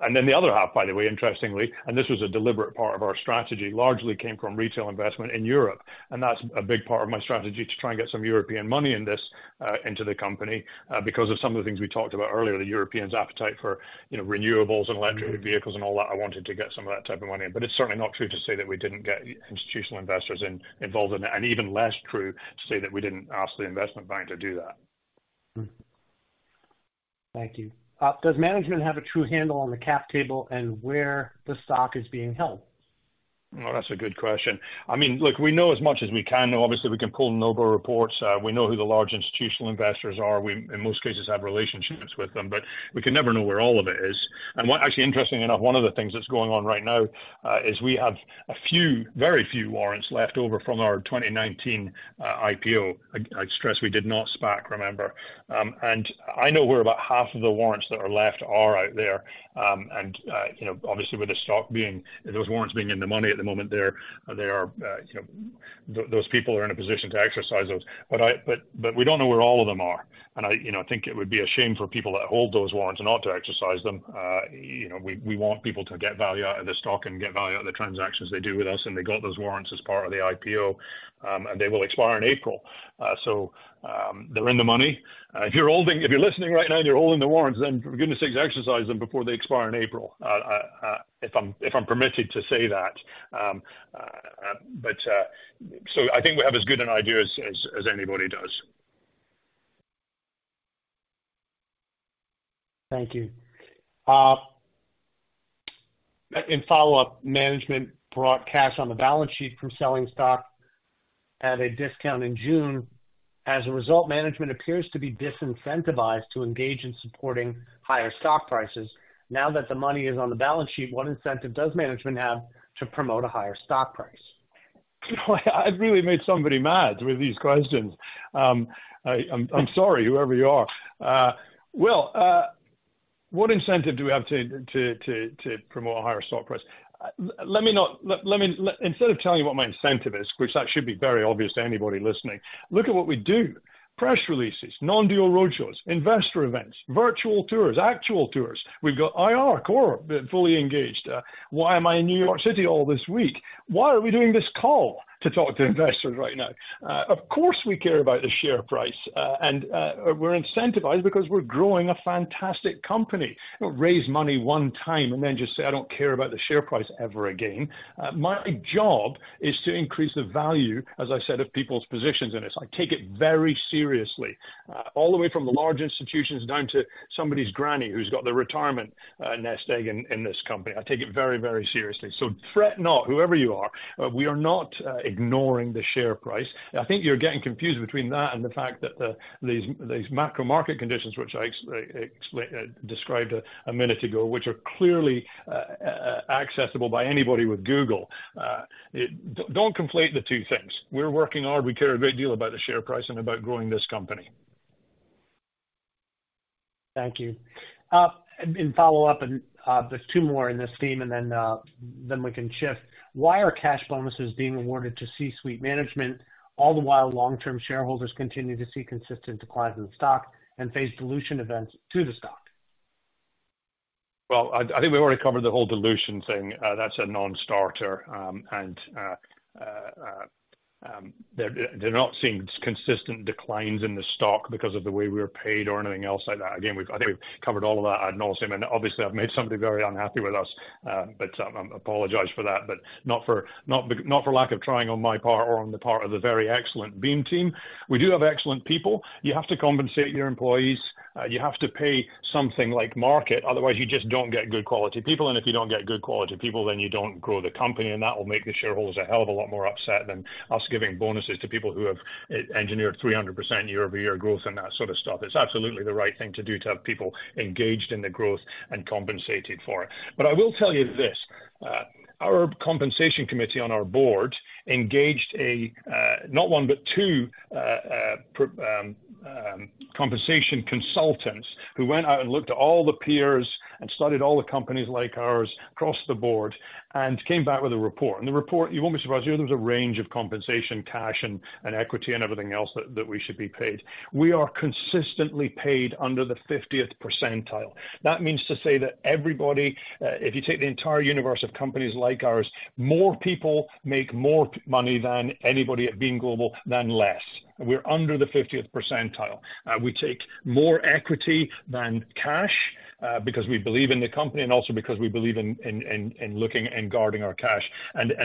And then the other half, by the way, interestingly, and this was a deliberate part of our strategy, largely came from retail investment in Europe. And that's a big part of my strategy to try and get some European money in this into the company because of some of the things we talked about earlier, the Europeans' appetite for renewables and electric vehicles and all that. I wanted to get some of that type of money in. But it's certainly not true to say that we didn't get institutional investors involved in it. Even less true to say that we didn't ask the investment bank to do that. Thank you. Does management have a true handle on the cap table and where the stock is being held? Well, that's a good question. I mean, look, we know as much as we can. Obviously, we can pull Noble reports. We know who the large institutional investors are. We, in most cases, have relationships with them. But we can never know where all of it is. And actually, interestingly enough, one of the things that's going on right now is we have a few, very few warrants left over from our 2019 IPO. I stress we did not SPAC, remember? And I know where about half of the warrants that are left are out there. And obviously, with the stock being those warrants being in the money at the moment, those people are in a position to exercise those. But we don't know where all of them are. And I think it would be a shame for people that hold those warrants not to exercise them. We want people to get value out of the stock and get value out of the transactions they do with us. They got those warrants as part of the IPO. They will expire in April. They're in the money. If you're listening right now and you're holding the warrants, then for goodness sakes, exercise them before they expire in April, if I'm permitted to say that. I think we have as good an idea as anybody does. Thank you. In follow-up, management brought cash on the balance sheet from selling stock at a discount in June. As a result, management appears to be disincentivized to engage in supporting higher stock prices. Now that the money is on the balance sheet, what incentive does management have to promote a higher stock price? I've really made somebody mad with these questions. I'm sorry, whoever you are. Well, what incentive do we have to promote a higher stock price? Instead of telling you what my incentive is, which that should be very obvious to anybody listening, look at what we do: press releases, non-deal roadshows, investor events, virtual tours, actual tours. We've got IR core fully engaged. Why am I in New York City all this week? Why are we doing this call to talk to investors right now? Of course, we care about the share price. And we're incentivized because we're growing a fantastic company. Raise money one time and then just say, "I don't care about the share price," ever again. My job is to increase the value, as I said, of people's positions in this. I take it very seriously, all the way from the large institutions down to somebody's granny who's got the retirement nest egg in this company. I take it very, very seriously. So threaten or not, whoever you are, we are not ignoring the share price. I think you're getting confused between that and the fact that these macro market conditions, which I described a minute ago, which are clearly accessible by anybody with Google, don't conflate the two things. We're working hard. We care a great deal about the share price and about growing this company. Thank you. In follow-up, there's two more in this theme. And then we can shift. Why are cash bonuses being awarded to C-suite management all the while long-term shareholders continue to see consistent declines in the stock and face dilution events to the stock? Well, I think we've already covered the whole dilution thing. That's a non-starter. And they're not seeing consistent declines in the stock because of the way we were paid or anything else like that. Again, I think we've covered all of that ad nauseam. And obviously, I've made somebody very unhappy with us. But I apologize for that, but not for lack of trying on my part or on the part of the very excellent Beam Team. We do have excellent people. You have to compensate your employees. You have to pay something like market. Otherwise, you just don't get good quality people. And if you don't get good quality people, then you don't grow the company. And that will make the shareholders a hell of a lot more upset than us giving bonuses to people who have engineered 300% year-over-year growth and that sort of stuff. It's absolutely the right thing to do to have people engaged in the growth and compensated for it. But I will tell you this: our compensation committee on our board engaged not one, but two compensation consultants who went out and looked at all the peers and studied all the companies like ours across the board and came back with a report. And the report, you won't be surprised, there was a range of compensation, cash, and equity, and everything else that we should be paid. We are consistently paid under the 50th percentile. That means to say that everybody, if you take the entire universe of companies like ours, more people make more money than anybody at Beam Global than less. We're under the 50th percentile. We take more equity than cash because we believe in the company and also because we believe in looking and guarding our cash.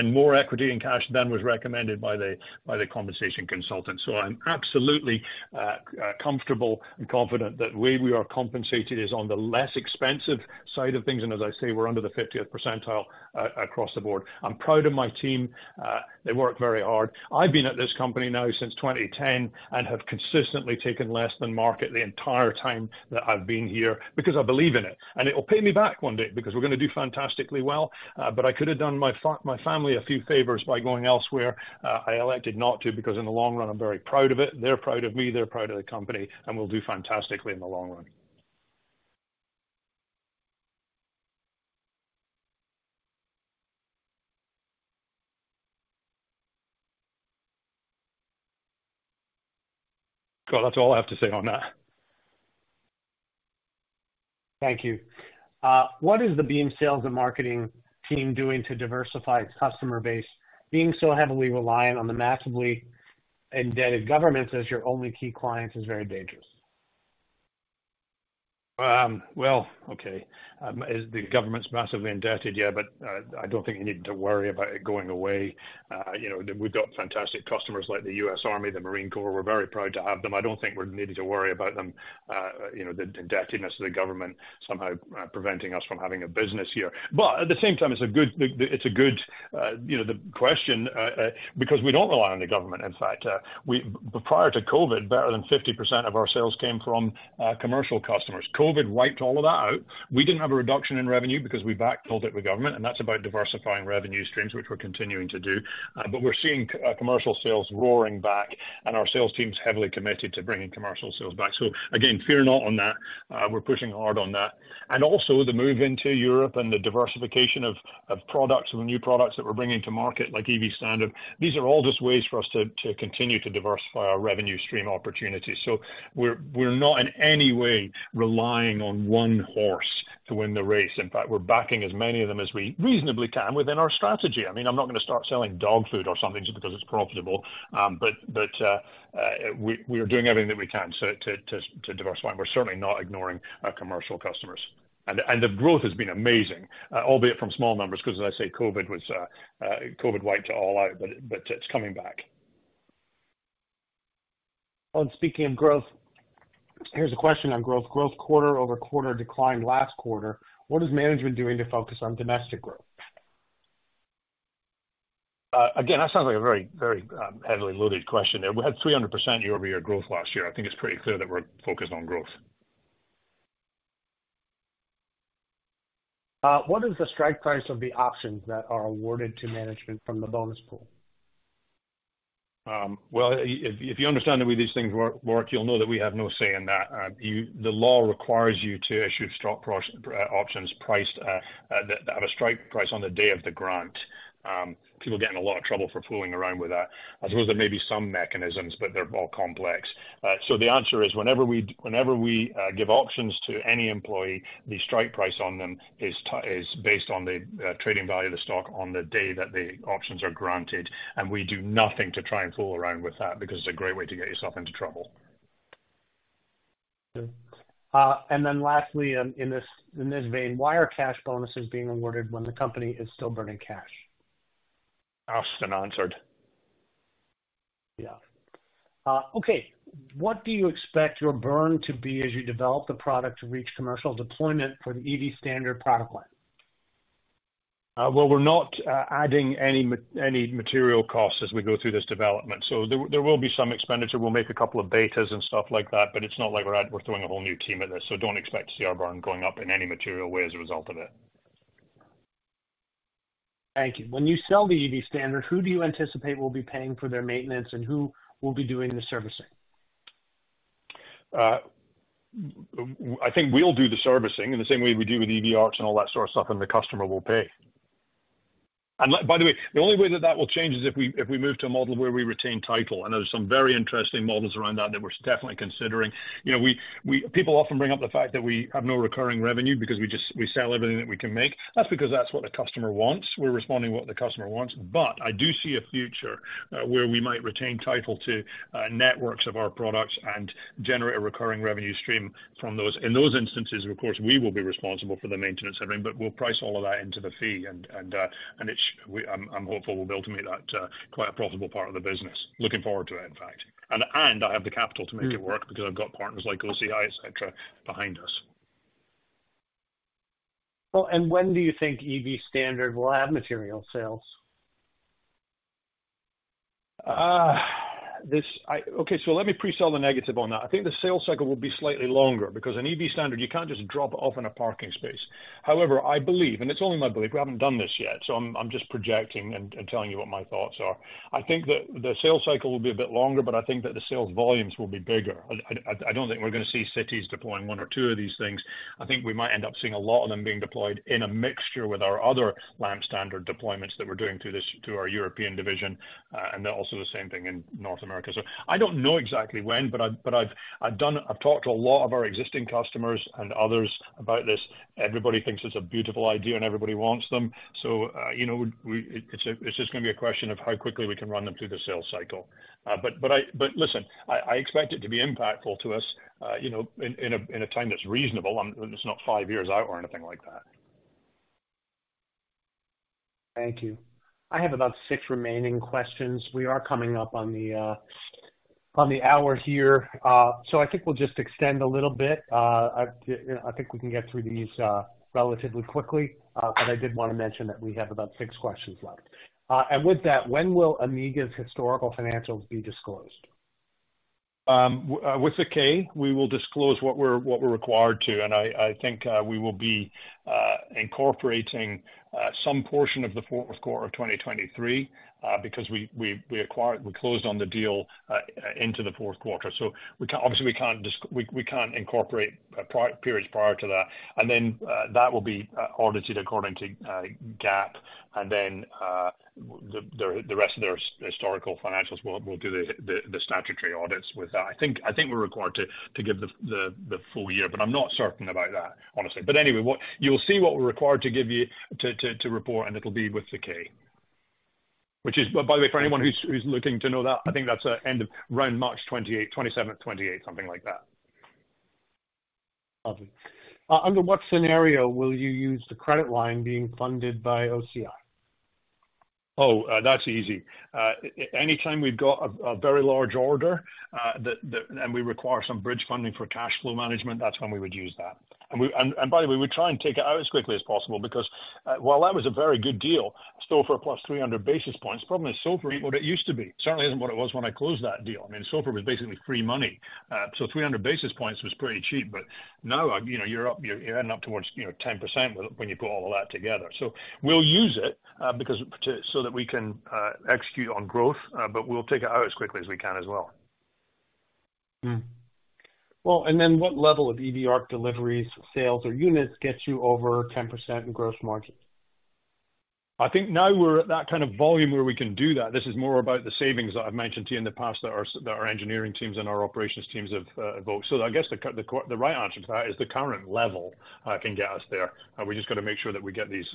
More equity and cash than was recommended by the compensation consultants. So I'm absolutely comfortable and confident that the way we are compensated is on the less expensive side of things. And as I say, we're under the 50th percentile across the board. I'm proud of my team. They work very hard. I've been at this company now since 2010 and have consistently taken less than market the entire time that I've been here because I believe in it. And it will pay me back one day because we're going to do fantastically well. But I could have done my family a few favors by going elsewhere. I elected not to because in the long run, I'm very proud of it. They're proud of me. They're proud of the company. And we'll do fantastically in the long run. Well, that's all I have to say on that. Thank you. What is the Beam sales and marketing team doing to diversify its customer base? Being so heavily reliant on the massively indebted governments as your only key clients is very dangerous? Well, okay. The government's massively indebted, yeah. But I don't think you need to worry about it going away. We've got fantastic customers like the U.S. Army, the U.S. Marine Corps. We're very proud to have them. I don't think we need to worry about the indebtedness of the government somehow preventing us from having a business here. But at the same time, it's a good question because we don't rely on the government, in fact. Prior to COVID, better than 50% of our sales came from commercial customers. COVID wiped all of that out. We didn't have a reduction in revenue because we backfilled it with government. And that's about diversifying revenue streams, which we're continuing to do. But we're seeing commercial sales roaring back. And our sales team's heavily committed to bringing commercial sales back. So again, fear not on that. We're pushing hard on that. Also, the move into Europe and the diversification of products and new products that we're bringing to market like EV Standard, these are all just ways for us to continue to diversify our revenue stream opportunities. We're not in any way relying on one horse to win the race. In fact, we're backing as many of them as we reasonably can within our strategy. I mean, I'm not going to start selling dog food or something just because it's profitable. We are doing everything that we can to diversify. We're certainly not ignoring our commercial customers. The growth has been amazing, albeit from small numbers because, as I say, COVID wiped it all out. It's coming back. On speaking of growth, here's a question on growth. Growth quarter-over-quarter declined last quarter. What is management doing to focus on domestic growth? Again, that sounds like a very, very heavily loaded question there. We had 300% year-over-year growth last year. I think it's pretty clear that we're focused on growth. What is the strike price of the options that are awarded to management from the bonus pool? Well, if you understand the way these things work, you'll know that we have no say in that. The law requires you to issue stock options that have a strike price on the day of the grant. People are getting a lot of trouble for fooling around with that. I suppose there may be some mechanisms, but they're all complex. The answer is, whenever we give options to any employee, the strike price on them is based on the trading value of the stock on the day that the options are granted. We do nothing to try and fool around with that because it's a great way to get yourself into trouble. And then lastly, in this vein, why are cash bonuses being awarded when the company is still burning cash? Asked and answered. Yeah. Okay. What do you expect your burn to be as you develop the product to reach commercial deployment for the EV Standard product line? Well, we're not adding any material costs as we go through this development. So there will be some expenditure. We'll make a couple of betas and stuff like that. But it's not like we're throwing a whole new team at this. So don't expect to see our burn going up in any material way as a result of it. Thank you. When you sell the EV Standard, who do you anticipate will be paying for their maintenance? And who will be doing the servicing? I think we'll do the servicing in the same way we do with EV ARC and all that sort of stuff. The customer will pay. By the way, the only way that that will change is if we move to a model where we retain title. There's some very interesting models around that that we're definitely considering. People often bring up the fact that we have no recurring revenue because we sell everything that we can make. That's because that's what the customer wants. We're responding to what the customer wants. But I do see a future where we might retain title to networks of our products and generate a recurring revenue stream from those. In those instances, of course, we will be responsible for the maintenance and everything. But we'll price all of that into the fee. I'm hopeful we'll be able to make that quite a profitable part of the business, looking forward to it, in fact. I have the capital to make it work because I've got partners like OCI, etc., behind us. Well, when do you think EV Standard will have material sales? Okay. So let me presell the negative on that. I think the sales cycle will be slightly longer because an EV Standard, you can't just drop it off in a parking space. However, I believe and it's only my belief. We haven't done this yet. So I'm just projecting and telling you what my thoughts are. I think that the sales cycle will be a bit longer. But I think that the sales volumes will be bigger. I don't think we're going to see cities deploying one or two of these things. I think we might end up seeing a lot of them being deployed in a mixture with our other lamp standard deployments that we're doing through our European division. And also the same thing in North America. So I don't know exactly when. But I've talked to a lot of our existing customers and others about this. Everybody thinks it's a beautiful idea. Everybody wants them. It's just going to be a question of how quickly we can run them through the sales cycle. Listen, I expect it to be impactful to us in a time that's reasonable. It's not five years out or anything like that. Thank you. I have about six remaining questions. We are coming up on the hour here. So I think we'll just extend a little bit. I think we can get through these relatively quickly. But I did want to mention that we have about six questions left. With that, when will Amiga's historical financials be disclosed? With the K, we will disclose what we're required to. I think we will be incorporating some portion of the fourth quarter of 2023 because we closed on the deal into the fourth quarter. So obviously, we can't incorporate periods prior to that. And then that will be audited according to GAAP. And then the rest of their historical financials will do the statutory audits with that. I think we're required to give the full year. But I'm not certain about that, honestly. But anyway, you'll see what we're required to give you to report. And it'll be with the K. By the way, for anyone who's looking to know that, I think that's around March 27th, 2028, something like that. Under what scenario will you use the credit line being funded by OCI? Oh, that's easy. Anytime we've got a very large order and we require some bridge funding for cash flow management, that's when we would use that. And by the way, we'd try and take it out as quickly as possible because while that was a very good deal, SOFR plus 300 basis points, probably SOFR ain't what it used to be. Certainly isn't what it was when I closed that deal. I mean, SOFR was basically free money. So 300 basis points was pretty cheap. But now, you're up. You're ending up towards 10% when you put all of that together. So we'll use it so that we can execute on growth. But we'll take it out as quickly as we can as well. Well, and then what level of EV ARC deliveries, sales, or units gets you over 10% in gross margin? I think now we're at that kind of volume where we can do that. This is more about the savings that I've mentioned to you in the past that our engineering teams and our operations teams have evoked. So I guess the right answer to that is the current level can get us there. We just got to make sure that we get these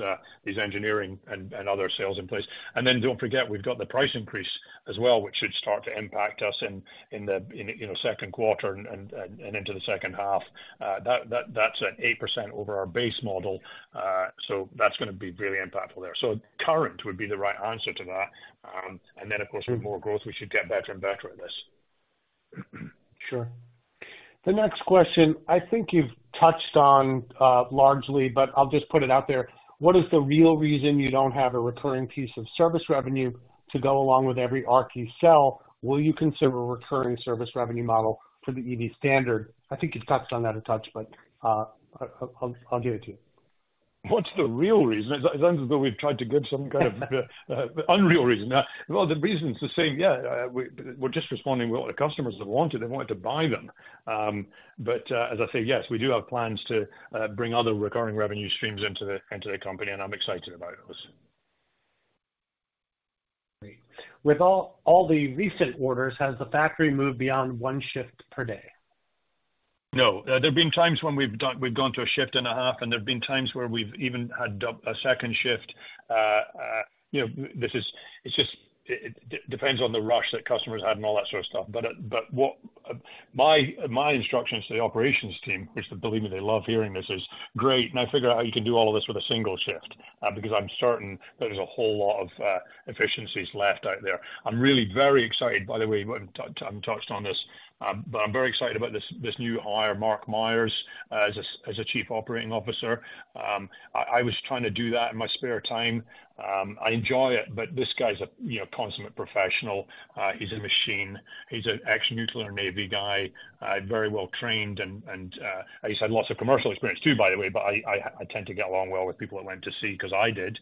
engineering and other sales in place. And then don't forget, we've got the price increase as well, which should start to impact us in the second quarter and into the second half. That's an 8% over our base model. So that's going to be really impactful there. So current would be the right answer to that. And then, of course, with more growth, we should get better and better at this. Sure. The next question, I think you've touched on largely. But I'll just put it out there. What is the real reason you don't have a recurring piece of service revenue to go along with every ARC you sell? Will you consider a recurring service revenue model for the EV Standard? I think you've touched on that a touch. But I'll give it to you. What's the real reason? It sounds as though we've tried to give some kind of unreal reason. Well, the reason's the same. Yeah. We're just responding with what the customers have wanted. They wanted to buy them. But as I say, yes, we do have plans to bring other recurring revenue streams into the company. And I'm excited about those. Great. With all the recent orders, has the factory moved beyond one shift per day? No. There have been times when we've gone to a shift and a half. And there have been times where we've even had a second shift. It depends on the rush that customers had and all that sort of stuff. But my instructions to the operations team, which believe me, they love hearing this, is, "Great. Now figure out how you can do all of this with a single shift because I'm certain that there's a whole lot of efficiencies left out there." I'm really very excited, by the way. I haven't touched on this. But I'm very excited about this new hire, Mark Myers, as Chief Operating Officer. I was trying to do that in my spare time. I enjoy it. But this guy's a consummate professional. He's a machine. He's an ex-nuclear Navy guy, very well trained. And he's had lots of commercial experience too, by the way. But I tend to get along well with people that went to sea because I did.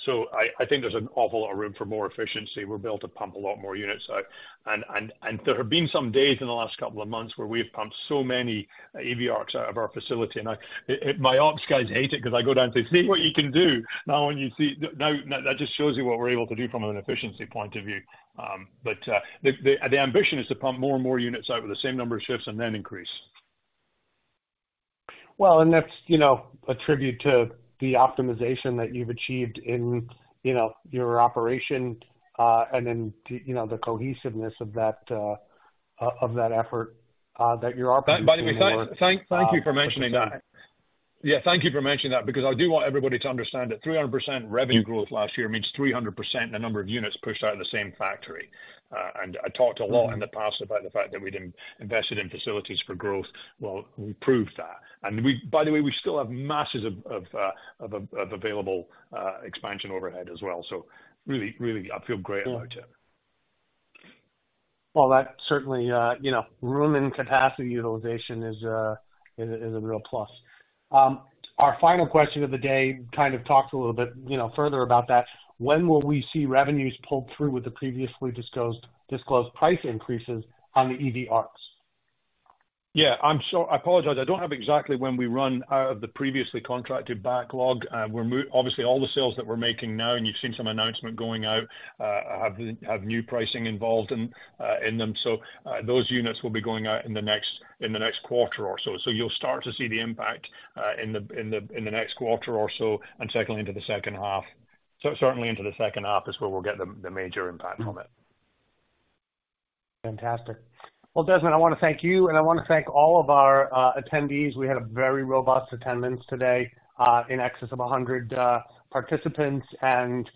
So I think there's an awful lot of room for more efficiency. We're built to pump a lot more units out. And there have been some days in the last couple of months where we've pumped so many EV ARCs out of our facility. And my ops guys hate it because I go down to, "See what you can do now when you see" that just shows you what we're able to do from an efficiency point of view. But the ambition is to pump more and more units out with the same number of shifts and then increase. Well, and that's a tribute to the optimization that you've achieved in your operation and then the cohesiveness of that effort that you're operating with. By the way, thank you for mentioning that. Yeah, thank you for mentioning that because I do want everybody to understand that 300% revenue growth last year means 300% in the number of units pushed out of the same factory. And I talked a lot in the past about the fact that we'd invested in facilities for growth. Well, we proved that. And by the way, we still have masses of available expansion overhead as well. So really, really, I feel great about it. Well, that certainly room and capacity utilization is a real plus. Our final question of the day kind of talks a little bit further about that. When will we see revenues pulled through with the previously disclosed price increases on the EV ARCs? Yeah. I apologize. I don't have exactly when we run out of the previously contracted backlog. Obviously, all the sales that we're making now and you've seen some announcement going out have new pricing involved in them. So those units will be going out in the next quarter or so. So you'll start to see the impact in the next quarter or so and certainly into the second half. So certainly into the second half is where we'll get the major impact from it. Fantastic. Well, Desmond, I want to thank you. I want to thank all of our attendees. We had a very robust attendance today in excess of 100 participants. In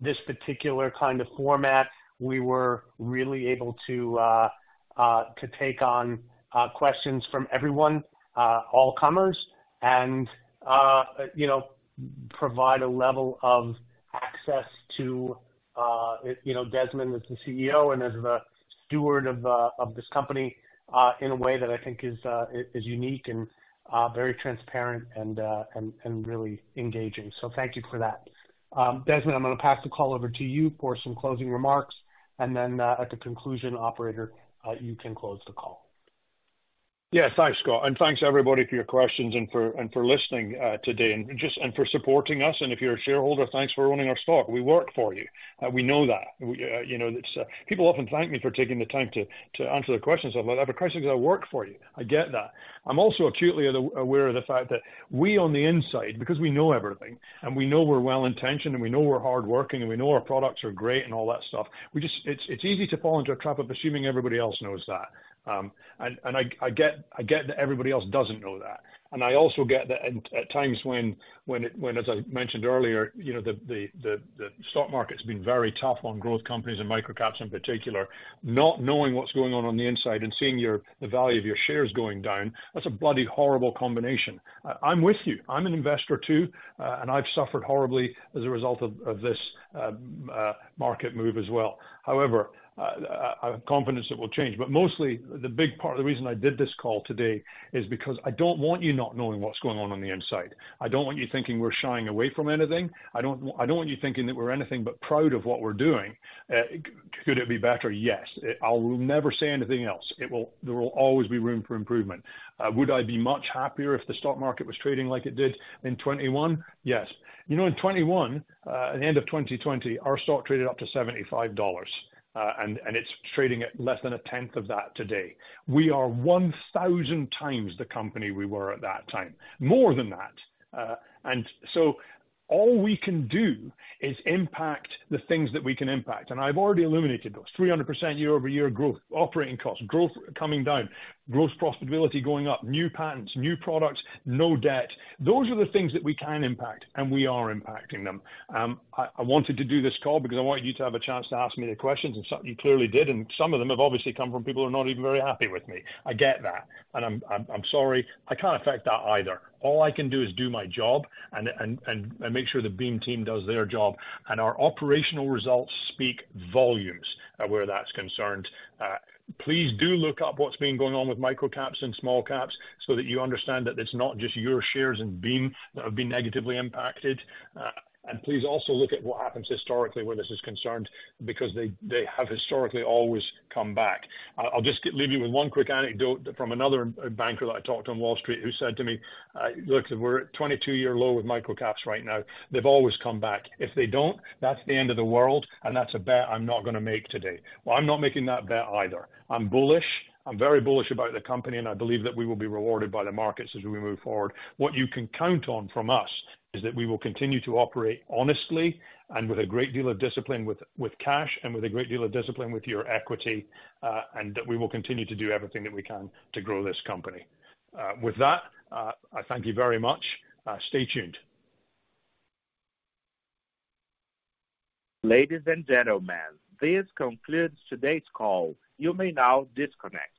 this particular kind of format, we were really able to take on questions from everyone, all comers, and provide a level of access to Desmond as the CEO and as the steward of this company in a way that I think is unique and very transparent and really engaging. Thank you for that. Desmond, I'm going to pass the call over to you for some closing remarks. At the conclusion, operator, you can close the call. Yeah. Thanks, Scott. And thanks, everybody, for your questions and for listening today and for supporting us. And if you're a shareholder, thanks for owning our stock. We work for you. We know that. People often thank me for taking the time to answer their questions. I'm like, "Every price increase, I work for you." I get that. I'm also acutely aware of the fact that we, on the inside, because we know everything and we know we're well-intentioned and we know we're hardworking and we know our products are great and all that stuff, it's easy to fall into a trap of assuming everybody else knows that. And I get that everybody else doesn't know that. I also get that at times when, as I mentioned earlier, the stock market's been very tough on growth companies and microcaps in particular, not knowing what's going on on the inside and seeing the value of your shares going down, that's a bloody horrible combination. I'm with you. I'm an investor too. And I've suffered horribly as a result of this market move as well. However, I have confidence it will change. But mostly, the big part of the reason I did this call today is because I don't want you not knowing what's going on on the inside. I don't want you thinking we're shying away from anything. I don't want you thinking that we're anything but proud of what we're doing. Could it be better? Yes. I will never say anything else. There will always be room for improvement. Would I be much happier if the stock market was trading like it did in 2021? Yes. In 2021, at the end of 2020, our stock traded up to $75. It's trading at less than a tenth of that today. We are 1,000 times the company we were at that time, more than that. So all we can do is impact the things that we can impact. I've already illuminated those: 300% year-over-year growth, operating costs, growth coming down, gross profitability going up, new patents, new products, no debt. Those are the things that we can impact. We are impacting them. I wanted to do this call because I wanted you to have a chance to ask me the questions. You clearly did. Some of them have obviously come from people who are not even very happy with me. I get that. I'm sorry. I can't affect that either. All I can do is do my job and make sure the Beam Team does their job. Our operational results speak volumes where that's concerned. Please do look up what's been going on with microcaps and small-caps so that you understand that it's not just your shares in Beam that have been negatively impacted. Please also look at what happens historically where this is concerned because they have historically always come back. I'll just leave you with one quick anecdote from another banker that I talked to on Wall Street who said to me, "Look, we're at 22-year low with microcaps right now. They've always come back. If they don't, that's the end of the world. And that's a bet I'm not going to make today." Well, I'm not making that bet either. I'm bullish. I'm very bullish about the company. I believe that we will be rewarded by the markets as we move forward. What you can count on from us is that we will continue to operate honestly and with a great deal of discipline with cash and with a great deal of discipline with your equity and that we will continue to do everything that we can to grow this company. With that, I thank you very much. Stay tuned. Ladies and gentlemen, this concludes today's call. You may now disconnect.